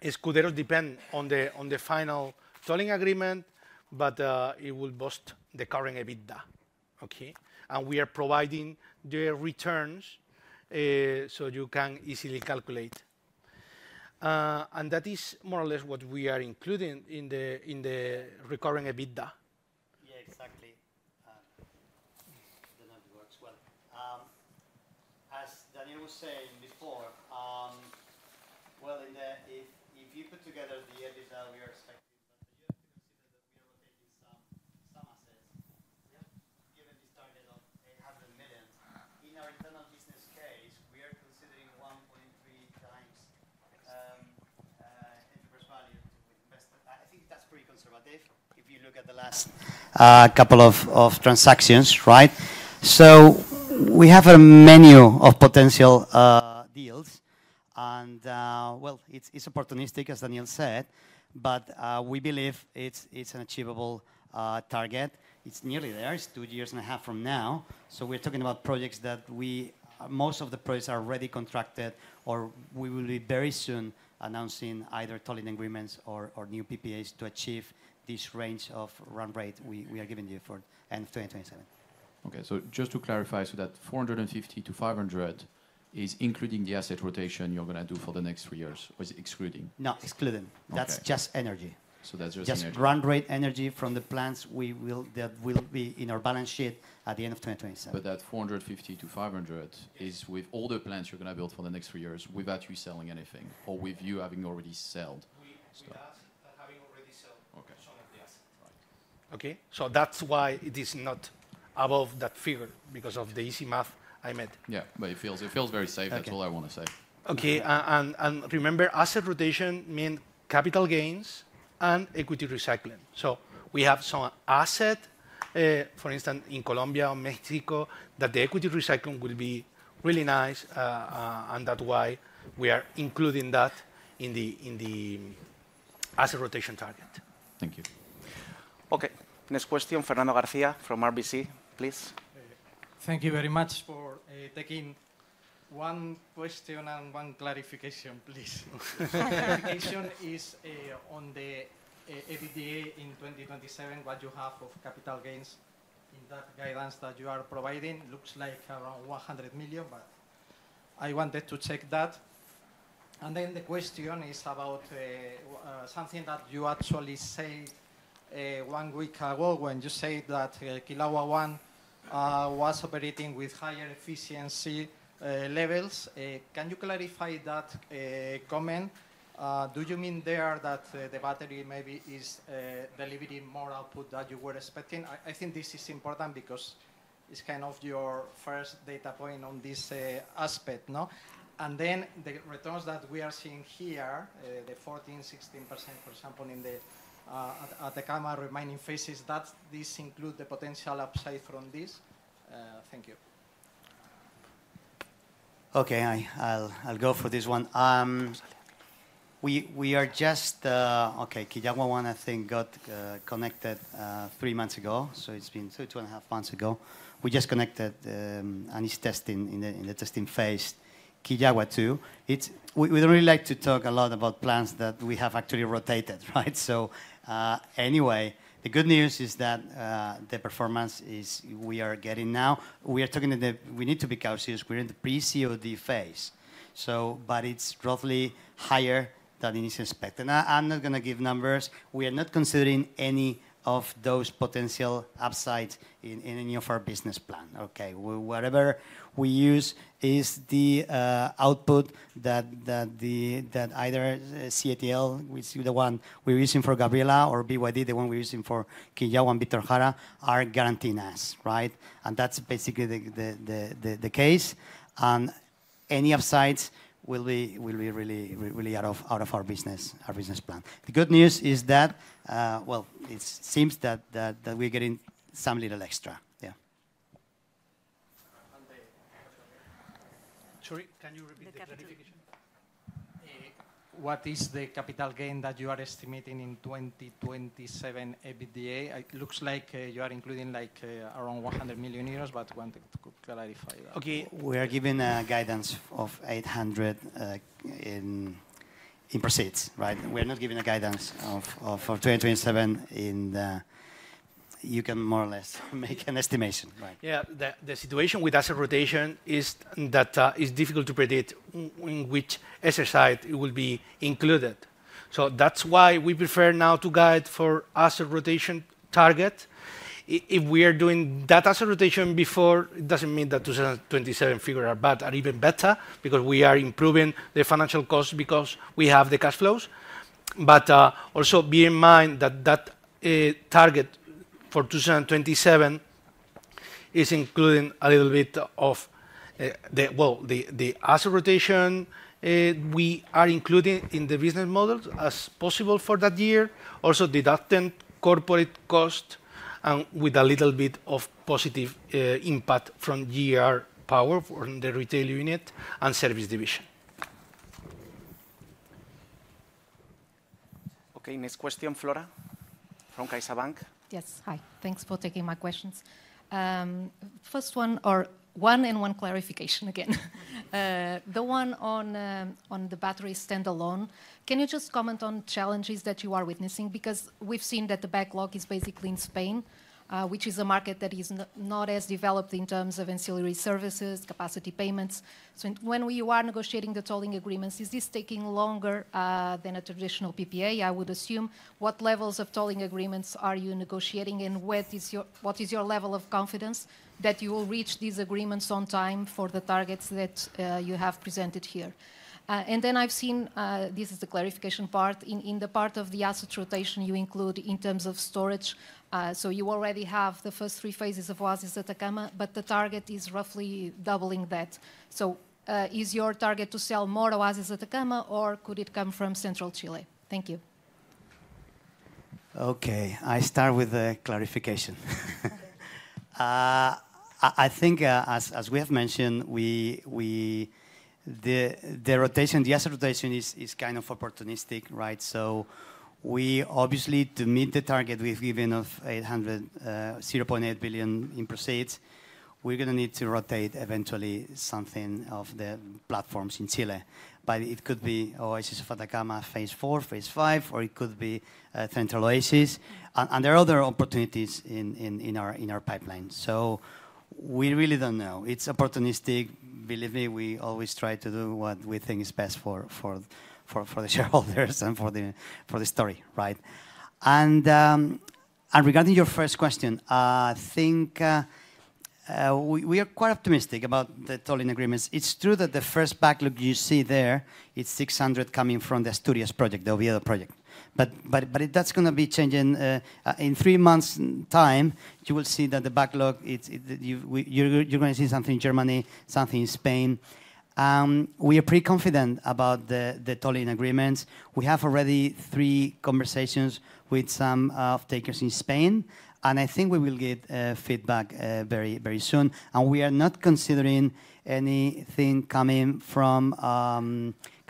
Escuderos depend on the final tolling agreement, but it will boost the current EBITDA, okay? We are providing the returns so you can easily calculate. That is more or less what we are including in the recurring EBITDA. Yeah, exactly. I do not know if it works well. As Daniel was saying before, if you put together the EBITDA we are expecting, you have to consider that we are rotating some assets, given this target of $800 million. In our internal business case, we are considering 1.3 times enterprise value to invest. I think that is pretty conservative if you look at the last couple of transactions, right? We have a menu of potential deals. It is opportunistic, as Daniel said, but we believe it is an achievable target. It is nearly there. It is two years and a half from now. We're talking about projects that most of the projects are already contracted, or we will be very soon announcing either tolling agreements or new PPAs to achieve this range of run rate we are giving you for end of 2027. Okay, just to clarify, that 450-500 is including the asset rotation you're going to do for the next three years, or is it excluding? No, excluding. That's just energy. That's just energy. Just run rate energy from the plants that will be in our balance sheet at the end of 2027. That 450-500 is with all the plants you're going to build for the next three years without you selling anything, or with you having already sold. Without having already sold some of the assets. Right. Okay, so that's why it is not above that figure because of the easy math I made. Yeah, but it feels very safe. That's all I want to say. Okay, and remember, asset rotation means capital gains and equity recycling. So we have some asset, for instance, in Colombia or Mexico, that the equity recycling will be really nice, and that's why we are including that in the asset rotation target. Thank you. Okay, next question, Fernando Garcia from RBC, please. Thank you very much for taking one question and one clarification, please. Clarification is on the EBITDA in 2027, what you have of capital gains in that guidance that you are providing. Looks like around $100 million, but I wanted to check that. And then the question is about something that you actually said one week ago when you said that Kilaua One was operating with higher efficiency levels. Can you clarify that comment? Do you mean there that the battery maybe is delivering more output than you were expecting? I think this is important because it's kind of your first data point on this aspect, no? The returns that we are seeing here, the 14-16%, for example, at the Atacama remaining phases, does this include the potential upside from this? Thank you. Okay, I'll go for this one. We are just, okay, Kilaua One, I think, got connected three months ago, so it's been two and a half months ago. We just connected and is testing in the testing phase, Kilaua Two. We don't really like to talk a lot about plants that we have actually rotated, right? Anyway, the good news is that the performance we are getting now, we are talking that we need to be cautious. We're in the pre-COD phase, but it's roughly higher than it is expected. I'm not going to give numbers. We are not considering any of those potential upsides in any of our business plan, okay? Whatever we use is the output that either CATL, which is the one we're using for Gabriela, or BYD, the one we're using for Kilaua and Bitonhara, are guaranteeing us, right? That's basically the case. Any upsides will be really out of our business plan. The good news is that it seems that we're getting some little extra, yeah. Sorry, can you repeat the clarification? What is the capital gain that you are estimating in 2027 EBITDA? It looks like you are including around 100 million euros, but wanted to clarify that. Okay, we are giving a guidance of 800 million in proceeds, right? We are not giving a guidance for 2027 in the. You can more or less make an estimation, right? Yeah, the situation with asset rotation is that it's difficult to predict in which asset side it will be included. That is why we prefer now to guide for asset rotation target. If we are doing that asset rotation before, it does not mean that 2027 figures are bad or even better because we are improving the financial costs because we have the cash flows. Also, be in mind that that target for 2027 is including a little bit of, well, the asset rotation we are including in the business models as possible for that year. Also, deducting corporate costs and with a little bit of positive impact from GR Power for the retail unit and service division. Okay, next question, Flora, from Kaisa Bank. Yes, hi. Thanks for taking my questions. First one, or one and one clarification again. The one on the battery standalone, can you just comment on challenges that you are witnessing? Because we've seen that the backlog is basically in Spain, which is a market that is not as developed in terms of ancillary services, capacity payments. When we are negotiating the tolling agreements, is this taking longer than a traditional PPA, I would assume? What levels of tolling agreements are you negotiating, and what is your level of confidence that you will reach these agreements on time for the targets that you have presented here? I have seen, this is the clarification part, in the part of the asset rotation you include in terms of storage. You already have the first three phases of Oasis Atacama, but the target is roughly doubling that. Is your target to sell more Oasis Atacama, or could it come from Central Chile? Thank you. I start with the clarification. I think as we have mentioned, the rotation, the asset rotation is kind of opportunistic, right? We obviously, to meet the target we have given of $800 million in proceeds, are going to need to rotate eventually something of the platforms in Chile. It could be Oasis of Atacama, phase four, phase five, or it could be Central Oasis. There are other opportunities in our pipeline. We really do not know. It is opportunistic. Believe me, we always try to do what we think is best for the shareholders and for the story, right? Regarding your first question, I think we are quite optimistic about the tolling agreements. It's true that the first backlog you see there, it's 600 coming from the Asturias project, the Oviedo project. That's going to be changing. In three months' time, you will see that the backlog, you're going to see something in Germany, something in Spain. We are pretty confident about the tolling agreements. We have already three conversations with some of the takers in Spain, and I think we will get feedback very soon. We are not considering anything coming from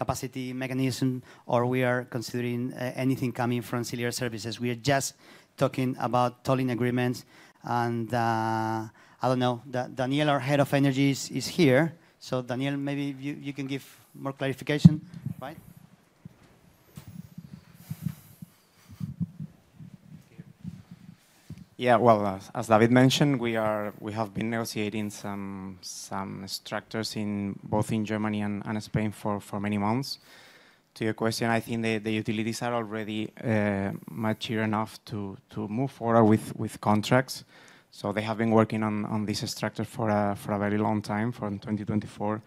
capacity mechanism, or we are considering anything coming from cellular services. We are just talking about tolling agreements. I don't know, Daniel, our Head of Energies is here. Daniel, maybe you can give more clarification, right? Yeah, as David mentioned, we have been negotiating some structures both in Germany and Spain for many months. To your question, I think the utilities are already mature enough to move forward with contracts. They have been working on this structure for a very long time, from 2024.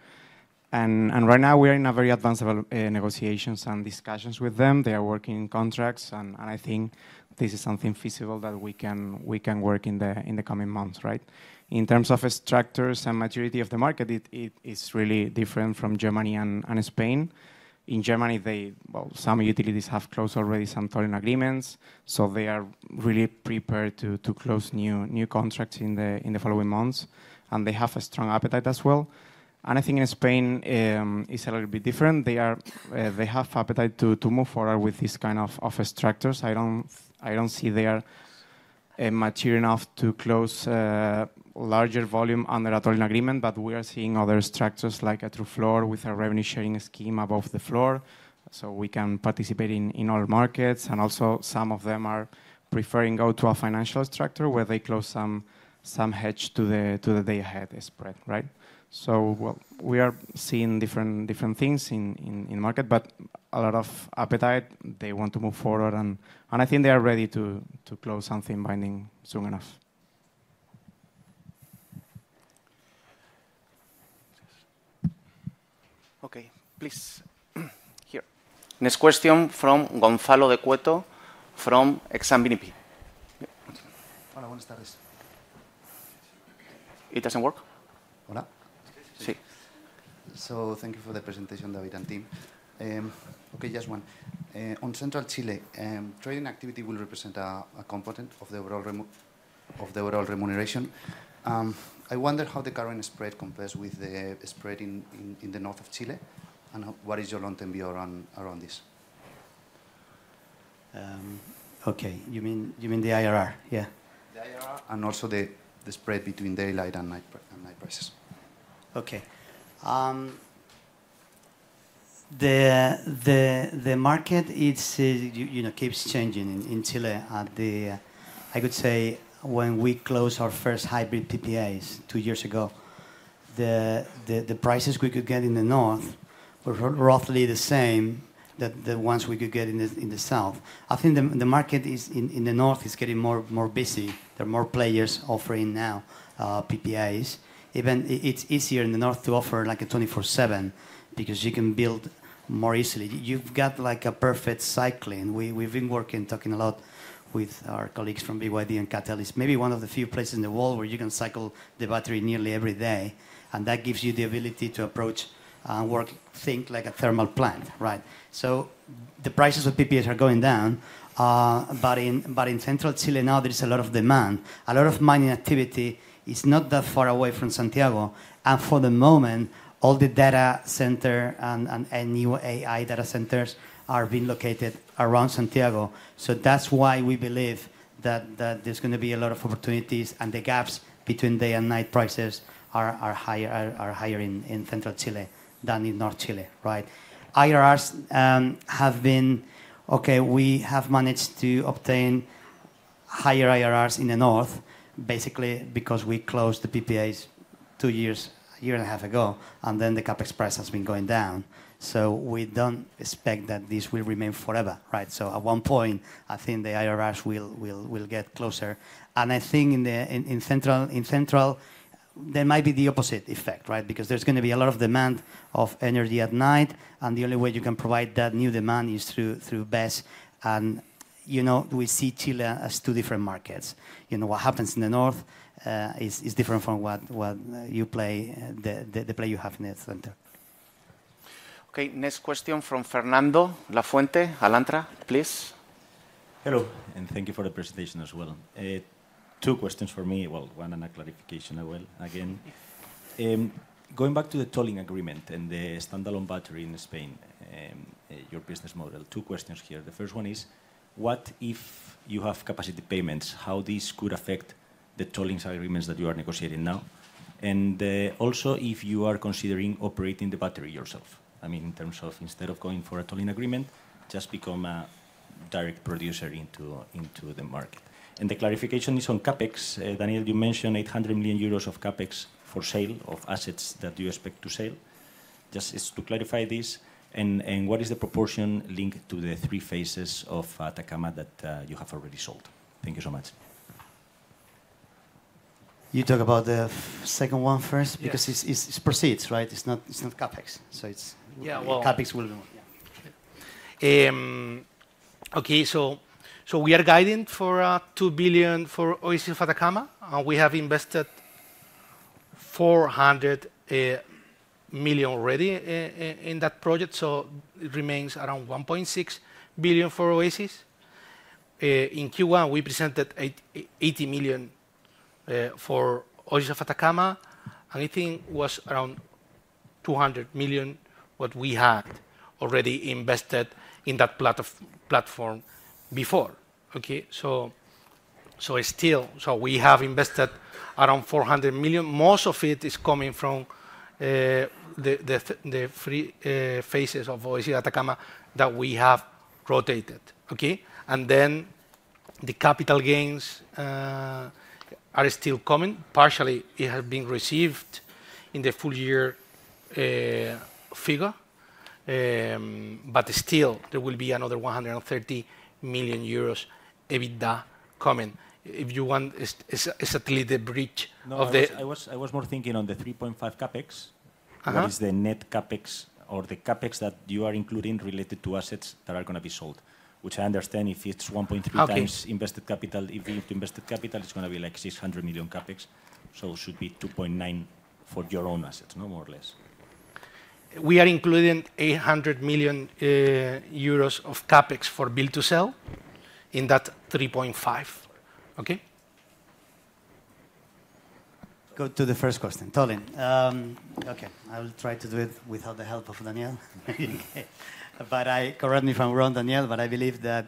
Right now, we are in very advanced negotiations and discussions with them. They are working on contracts, and I think this is something feasible that we can work in the coming months, right? In terms of structures and maturity of the market, it is really different from Germany and Spain. In Germany, some utilities have closed already some tolling agreements, so they are really prepared to close new contracts in the following months. They have a strong appetite as well. I think in Spain, it is a little bit different. They have appetite to move forward with this kind of structures. I don't see they are mature enough to close larger volume under a tolling agreement, but we are seeing other structures like a true floor with a revenue sharing scheme above the floor. We can participate in all markets. Also, some of them are preferring to go to a financial structure where they close some hedge to the day-ahead spread, right? We are seeing different things in the market, but a lot of appetite. They want to move forward, and I think they are ready to close something binding soon enough. Okay, please, here. Next question from Gonzalo de Cueto from Exam BNP. Hola, buenas tardes. It doesn't work? Hola? Sí. Thank you for the presentation, David and team. Okay, just one. On Central Chile, trading activity will represent a component of the overall remuneration. I wonder how the current spread compares with the spread in the north of Chile, and what is your long-term view around this? Okay, you mean the IRR, yeah? The IRR? And also the spread between daylight and night prices. Okay. The market keeps changing in Chile. I could say when we closed our first hybrid PPAs two years ago, the prices we could get in the north were roughly the same as the ones we could get in the south. I think the market in the north is getting more busy. There are more players offering now PPAs. It's easier in the north to offer like a 24/7 because you can build more easily. You've got a perfect cycling. We've been talking a lot with our colleagues from BYD and Catalyst. Maybe one of the few places in the world where you can cycle the battery nearly every day, and that gives you the ability to approach and work, think like a thermal plant, right? The prices of PPAs are going down, but in Central Chile now, there's a lot of demand. A lot of mining activity is not that far away from Santiago. For the moment, all the data centers and new AI data centers are being located around Santiago. That is why we believe that there's going to be a lot of opportunities, and the gaps between day and night prices are higher in Central Chile than in North Chile, right? IRRs have been, okay, we have managed to obtain higher IRRs in the north, basically because we closed the PPAs two years, a year and a half ago, and then the CapEx price has been going down. We do not expect that this will remain forever, right? At one point, I think the IRRs will get closer. I think in Central, there might be the opposite effect, right? There is going to be a lot of demand of energy at night, and the only way you can provide that new demand is through BESS. We see Chile as two different markets. What happens in the north is different from the play you have in the center. Okay, next question from Fernando La Fuente, Alantra, please. Hello, and thank you for the presentation as well. Two questions for me, one and a clarification as well. Again, going back to the tolling agreement and the standalone battery in Spain, your business model, two questions here. The first one is, what if you have capacity payments, how this could affect the tolling agreements that you are negotiating now? Also, if you are considering operating the battery yourself, I mean, in terms of instead of going for a tolling agreement, just become a direct producer into the market. The clarification is on CapEx. Daniel, you mentioned 800 million euros of CapEx for sale of assets that you expect to sell. Just to clarify this, and what is the proportion linked to the three phases of Atacama that you have already sold? Thank you so much. You talk about the second one first because it's proceeds, right? It's not CapEx, so CapEx will be more. Okay, so we are guiding for 2 billion for Oasis of Atacama, and we have invested 400 million already in that project, so it remains around 1.6 billion for Oasis. In Q1, we presented 80 million for Oasis of Atacama, and I think it was around 200 million what we had already invested in that platform before, okay? So we have invested around 400 million. Most of it is coming from the three phases of Oasis of Atacama that we have rotated, okay? The capital gains are still coming. Partially, it has been received in the full-year figure, but still, there will be another 130 million euros EBITDA coming. If you want a satellite bridge of the— I was more thinking on the 3.5 CapEx, what is the net CapEx or the CapEx that you are including related to assets that are going to be sold, which I understand if it's 1.3 times invested capital, if it's invested capital, it's going to be like 600 million CapEx, so it should be 2.9 billion for your own assets, more or less. We are including 800 million euros of CapEx for build-to-sell in that 3.5, okay? Go to the first question, tolling. Okay, I will try to do it without the help of Daniel. Correct me if I'm wrong, Daniel, but I believe that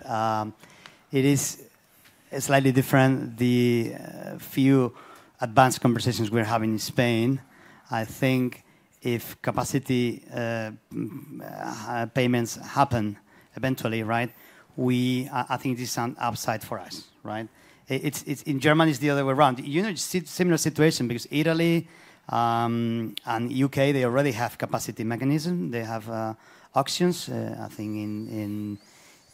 it is slightly different. The few advanced conversations we're having in Spain, I think if capacity payments happen eventually, right, I think this is an upside for us, right? In Germany, it's the other way around. You know, it's a similar situation because Italy and the U.K., they already have capacity mechanism. They have auctions, I think,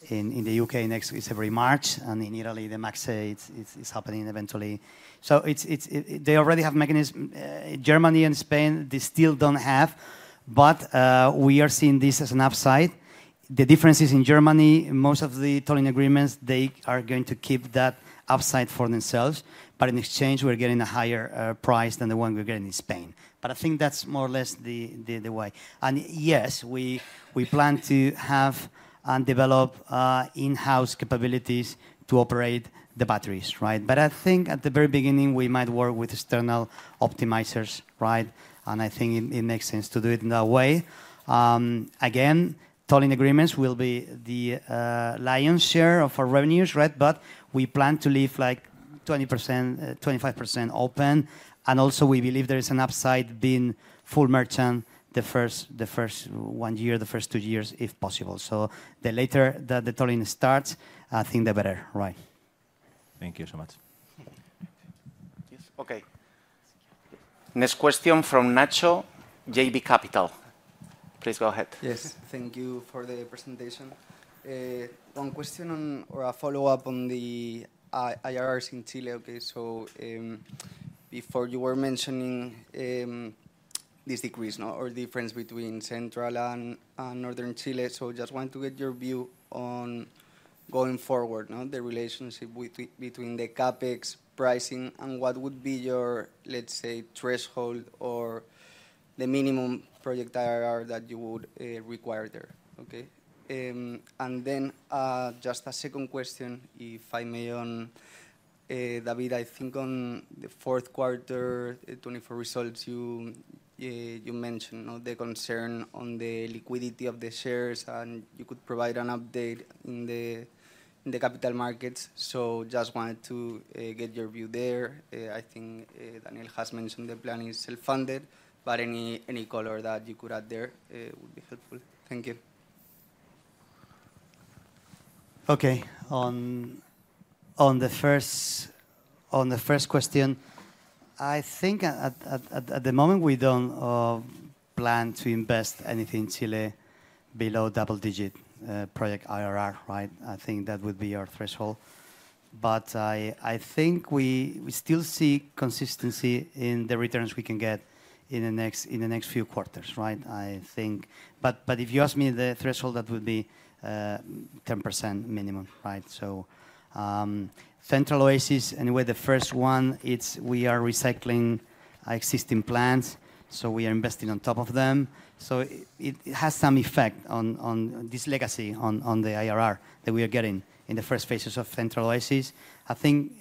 in the U.K. next February, March, and in Italy, the max say it's happening eventually. They already have mechanism. Germany and Spain, they still don't have, but we are seeing this as an upside. The difference is in Germany, most of the tolling agreements, they are going to keep that upside for themselves, but in exchange, we're getting a higher price than the one we're getting in Spain. I think that's more or less the way. Yes, we plan to have and develop in-house capabilities to operate the batteries, right? I think at the very beginning, we might work with external optimizers, right? I think it makes sense to do it in that way. Again, tolling agreements will be the lion's share of our revenues, right? We plan to leave like 20%-25% open. We believe there is an upside being full merchant the first one year, the first two years, if possible. The later the tolling starts, I think the better, right? Thank you so much. Yes, okay. Next question from Nacho, JB Capital. Please go ahead. Yes, thank you for the presentation. One question or a follow-up on the IRRs in Chile, okay? Before you were mentioning this decrease or difference between Central and Northern Chile, I just wanted to get your view on going forward, the relationship between the CapEx pricing and what would be your, let's say, threshold or the minimum project IRR that you would require there, okay? And then just a second question, if I may, David, I think on the fourth quarter 2024 results, you mentioned the concern on the liquidity of the shares, and you could provide an update in the capital markets. Just wanted to get your view there. I think Daniel has mentioned the plan is self-funded, but any color that you could add there would be helpful. Thank you. Okay, on the first question, I think at the moment, we do not plan to invest anything in Chile below double-digit project IRR, right? I think that would be our threshold. I think we still see consistency in the returns we can get in the next few quarters, right? If you ask me the threshold, that would be 10% minimum, right? Central Oasis, anyway, the first one, we are recycling existing plants, so we are investing on top of them. It has some effect on this legacy on the IRR that we are getting in the first phases of Central Oasis. I think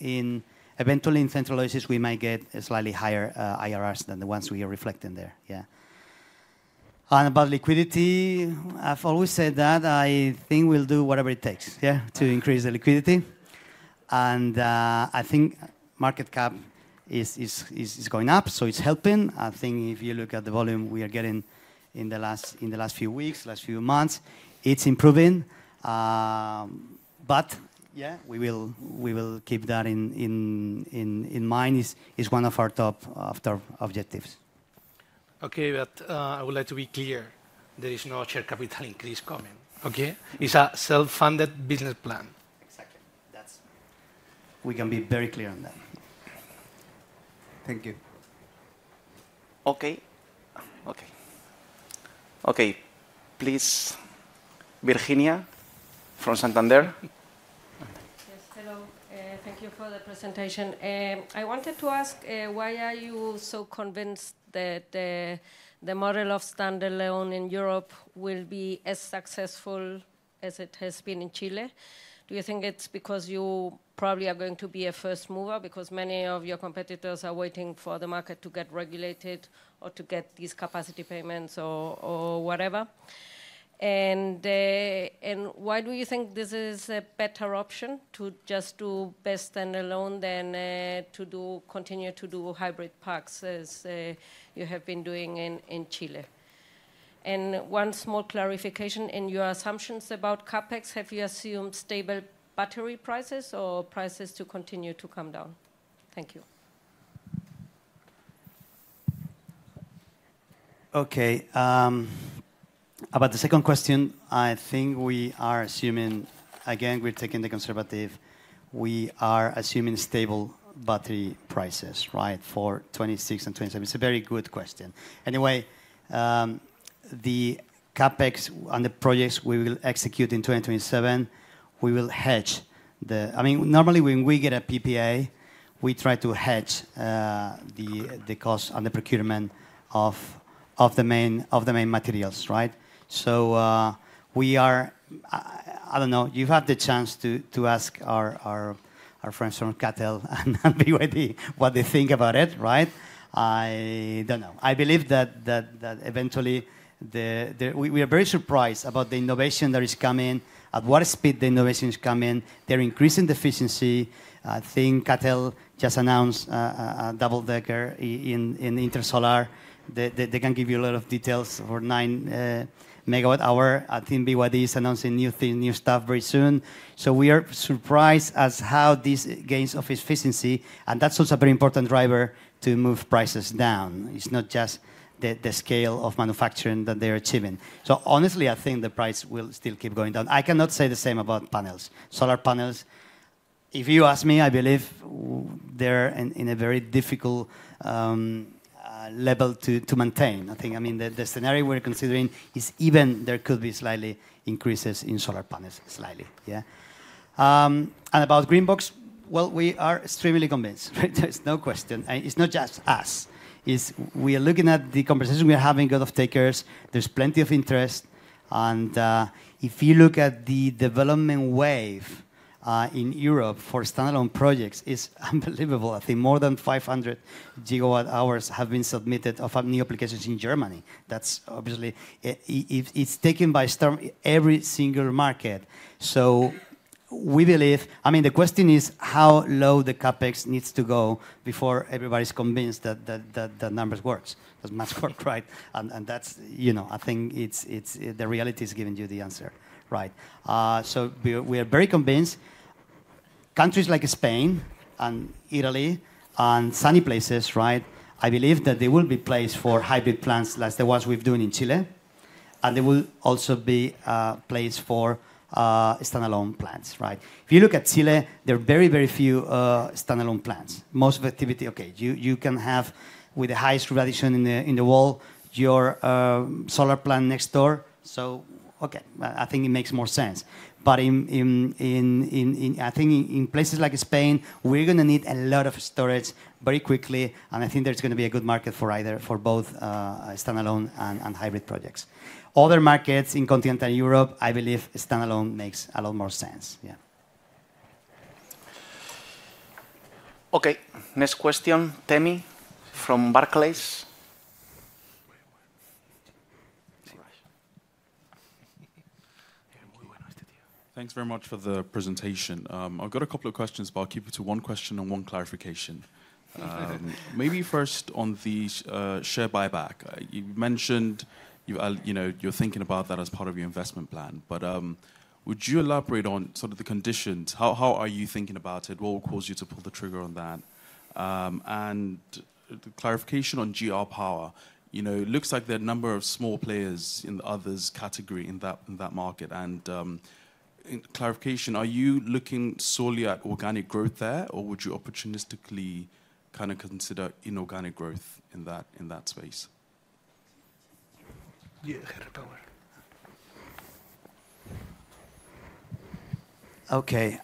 eventually in Central Oasis, we might get slightly higher IRRs than the ones we are reflecting there, yeah. About liquidity, I've always said that I think we'll do whatever it takes, yeah, to increase the liquidity. I think market cap is going up, so it's helping. I think if you look at the volume we are getting in the last few weeks, last few months, it's improving. Yeah, we will keep that in mind as one of our top objectives. Okay, I would like to be clear. There is no share capital increase coming, okay? It's a self-funded business plan. Exactly. We can be very clear on that. Thank you. Okay. Okay. Okay, please, Virginia from Santander. Yes, hello. Thank you for the presentation. I wanted to ask, why are you so convinced that the model of standalone in Europe will be as successful as it has been in Chile? Do you think it's because you probably are going to be a first mover because many of your competitors are waiting for the market to get regulated or to get these capacity payments or whatever? Why do you think this is a better option to just do BESS standalone than to continue to do hybrid packs as you have been doing in Chile? One small clarification in your assumptions about CapEx, have you assumed stable battery prices or prices to continue to come down? Thank you. Okay, about the second question, I think we are assuming, again, we're taking the conservative, we are assuming stable battery prices, right, for 2026 and 2027. It's a very good question. Anyway, the CapEx on the projects we will execute in 2027, we will hedge the, I mean, normally when we get a PPA, we try to hedge the cost on the procurement of the main materials, right? I do not know, you have the chance to ask our friends from CATL and BYD what they think about it, right? I do not know. I believe that eventually we are very surprised about the innovation that is coming, at what speed the innovation is coming, they are increasing efficiency. I think CATL just announced a double decker in Intersolar. They can give you a lot of details for 9 megawatt hour. I think BYD is announcing new stuff very soon. We are surprised at how these gains of efficiency, and that is also a very important driver to move prices down. It is not just the scale of manufacturing that they are achieving. Honestly, I think the price will still keep going down. I cannot say the same about panels. Solar panels, if you ask me, I believe they're in a very difficult level to maintain. I think, I mean, the scenario we're considering is even there could be slightly increases in solar panels, slightly, yeah? About Greenbox, we are extremely convinced. There's no question. It's not just us. We are looking at the conversation we are having with the off-takers. There's plenty of interest. If you look at the development wave in Europe for standalone projects, it's unbelievable. I think more than 500 gigawatt hours have been submitted of new applications in Germany. That's obviously, it's taken by storm every single market. We believe, I mean, the question is how low the CapEx needs to go before everybody's convinced that the numbers work. Doesn't much work, right? That's, you know, I think the reality is giving you the answer, right? We are very convinced. Countries like Spain and Italy and sunny places, right? I believe that there will be place for hybrid plants like the ones we're doing in Chile. There will also be a place for standalone plants, right? If you look at Chile, there are very, very few standalone plants. Most of the activity, okay, you can have with the highest revolution in the world, your solar plant next door. Okay, I think it makes more sense. I think in places like Spain, we're going to need a lot of storage very quickly. I think there's going to be a good market for either for both standalone and hybrid projects. Other markets in continental Europe, I believe standalone makes a lot more sense, yeah. Okay, next question, Temi from Barclays. Thanks very much for the presentation. I've got a couple of questions, but I'll keep it to one question and one clarification. Maybe first on the share buyback. You mentioned you're thinking about that as part of your investment plan, but would you elaborate on sort of the conditions? How are you thinking about it? What will cause you to pull the trigger on that? And clarification on GR Power. It looks like there are a number of small players in the others category in that market. And clarification, are you looking solely at organic growth there, or would you opportunistically kind of consider inorganic growth in that space? Okay,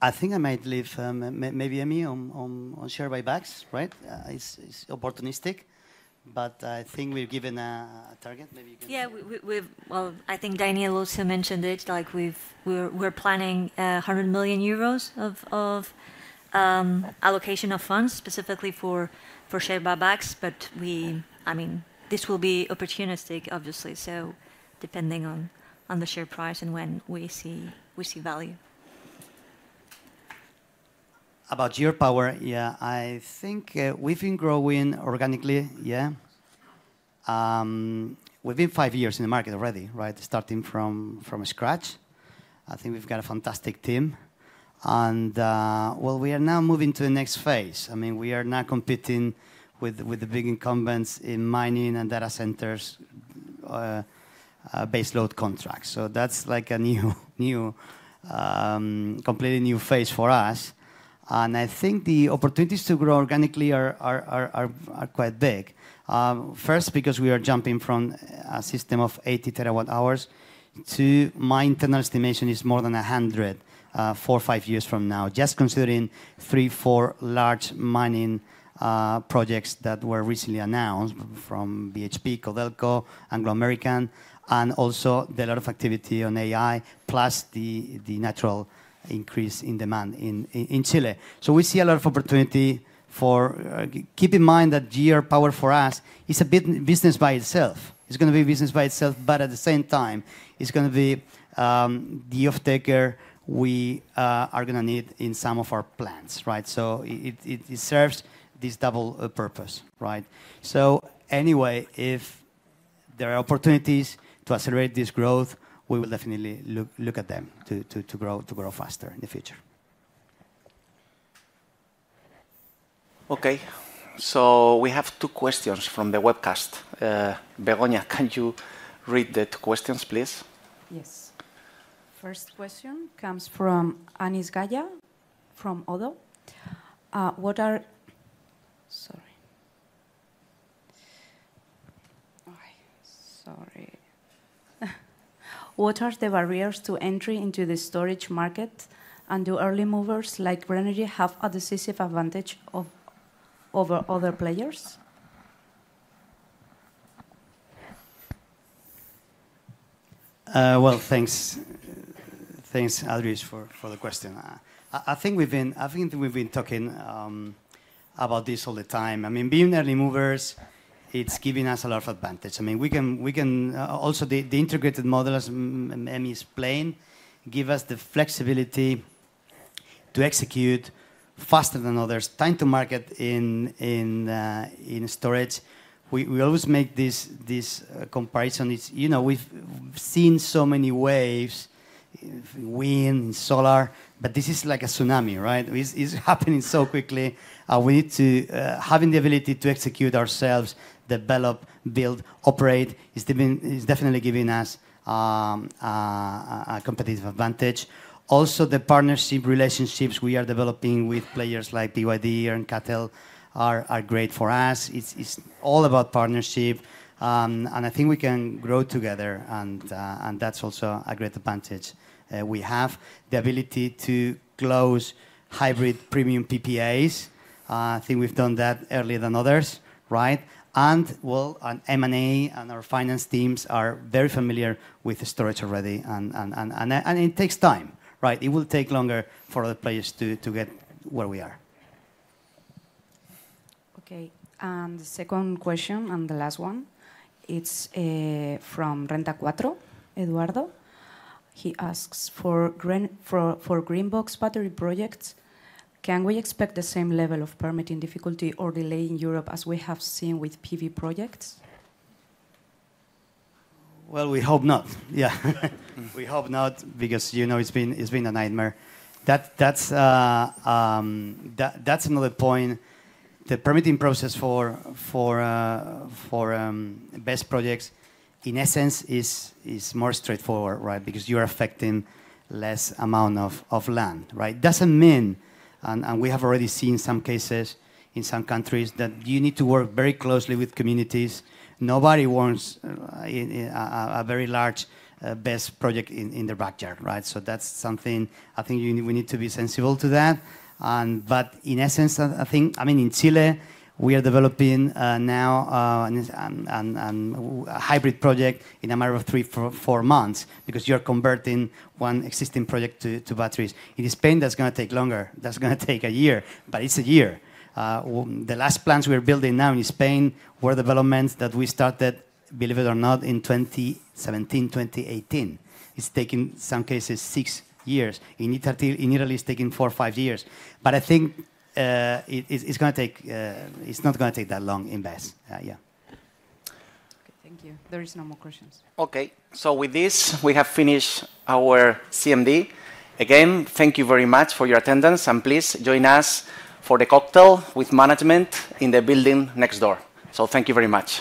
I think I might leave maybe Emi on share buybacks, right? It's opportunistic, but I think we're given a target. Maybe you can— Yeah, I think Daniel also mentioned it. We're planning 100 million euros of allocation of funds specifically for share buybacks, but we, I mean, this will be opportunistic, obviously. Depending on the share price and when we see value. About GA power, yeah, I think we've been growing organically, yeah. We've been five years in the market already, right? Starting from scratch. I think we've got a fantastic team. We are now moving to the next phase. I mean, we are now competing with the big incumbents in mining and data centers base load contracts. That's like a new, completely new phase for us. I think the opportunities to grow organically are quite big. First, because we are jumping from a system of 80 terawatt hours to my internal estimation is more than 100 four, five years from now, just considering three, four large mining projects that were recently announced from BHP, Codelco, Anglo American, and also the lot of activity on AI, plus the natural increase in demand in Chile. We see a lot of opportunity for keep in mind that GR Power for us is a business by itself. It's going to be a business by itself, but at the same time, it's going to be the off-taker we are going to need in some of our plants, right? It serves this double purpose, right? Anyway, if there are opportunities to accelerate this growth, we will definitely look at them to grow faster in the future. Okay, we have two questions from the webcast. Begonya, can you read the two questions, please? Yes. First question comes from Anis Gaya from Odo. What are—sorry. Sorry. What are the barriers to entry into the storage market? And do early movers like Renogy have a decisive advantage over other players? Thanks, thanks Aldris for the question. I think we've been talking about this all the time. I mean, being early movers, it's giving us a lot of advantage. I mean, we can also the integrated model, as Emi explained, give us the flexibility to execute faster than others, time to market in storage. We always make this comparison. You know, we've seen so many waves in wind, in solar, but this is like a tsunami, right? It's happening so quickly. We need to have the ability to execute ourselves, develop, build, operate. It's definitely giving us a competitive advantage. Also, the partnership relationships we are developing with players like BYD and CATL are great for us. It's all about partnership. I think we can grow together. That's also a great advantage. We have the ability to close hybrid premium PPAs. I think we've done that earlier than others, right? M&A and our finance teams are very familiar with the storage already. It takes time, right? It will take longer for other players to get where we are. The second question and the last one, it's from Renta 4, Eduardo. He asks for Greenbox battery projects. Can we expect the same level of permitting difficulty or delay in Europe as we have seen with PV projects? We hope not, yeah. We hope not because it's been a nightmare. That's another point. The permitting process for BESS projects, in essence, is more straightforward, right? Because you are affecting less amount of land, right? Doesn't mean, and we have already seen some cases in some countries, that you need to work very closely with communities. Nobody wants a very large BESS project in their backyard, right? That is something I think we need to be sensible to. In essence, I think, I mean, in Chile, we are developing now a hybrid project in a matter of three, four months because you are converting one existing project to batteries. In Spain, that is going to take longer. That is going to take a year, but it is a year. The last plants we are building now in Spain were developments that we started, believe it or not, in 2017, 2018. It is taking, in some cases, six years. In Italy, it is taking four, five years. I think it's going to take, it's not going to take that long in best, yeah. Okay, thank you. There are no more questions. Okay, with this, we have finished our CMD. Again, thank you very much for your attendance. Please join us for the cocktail with management in the building next door. Thank you very much.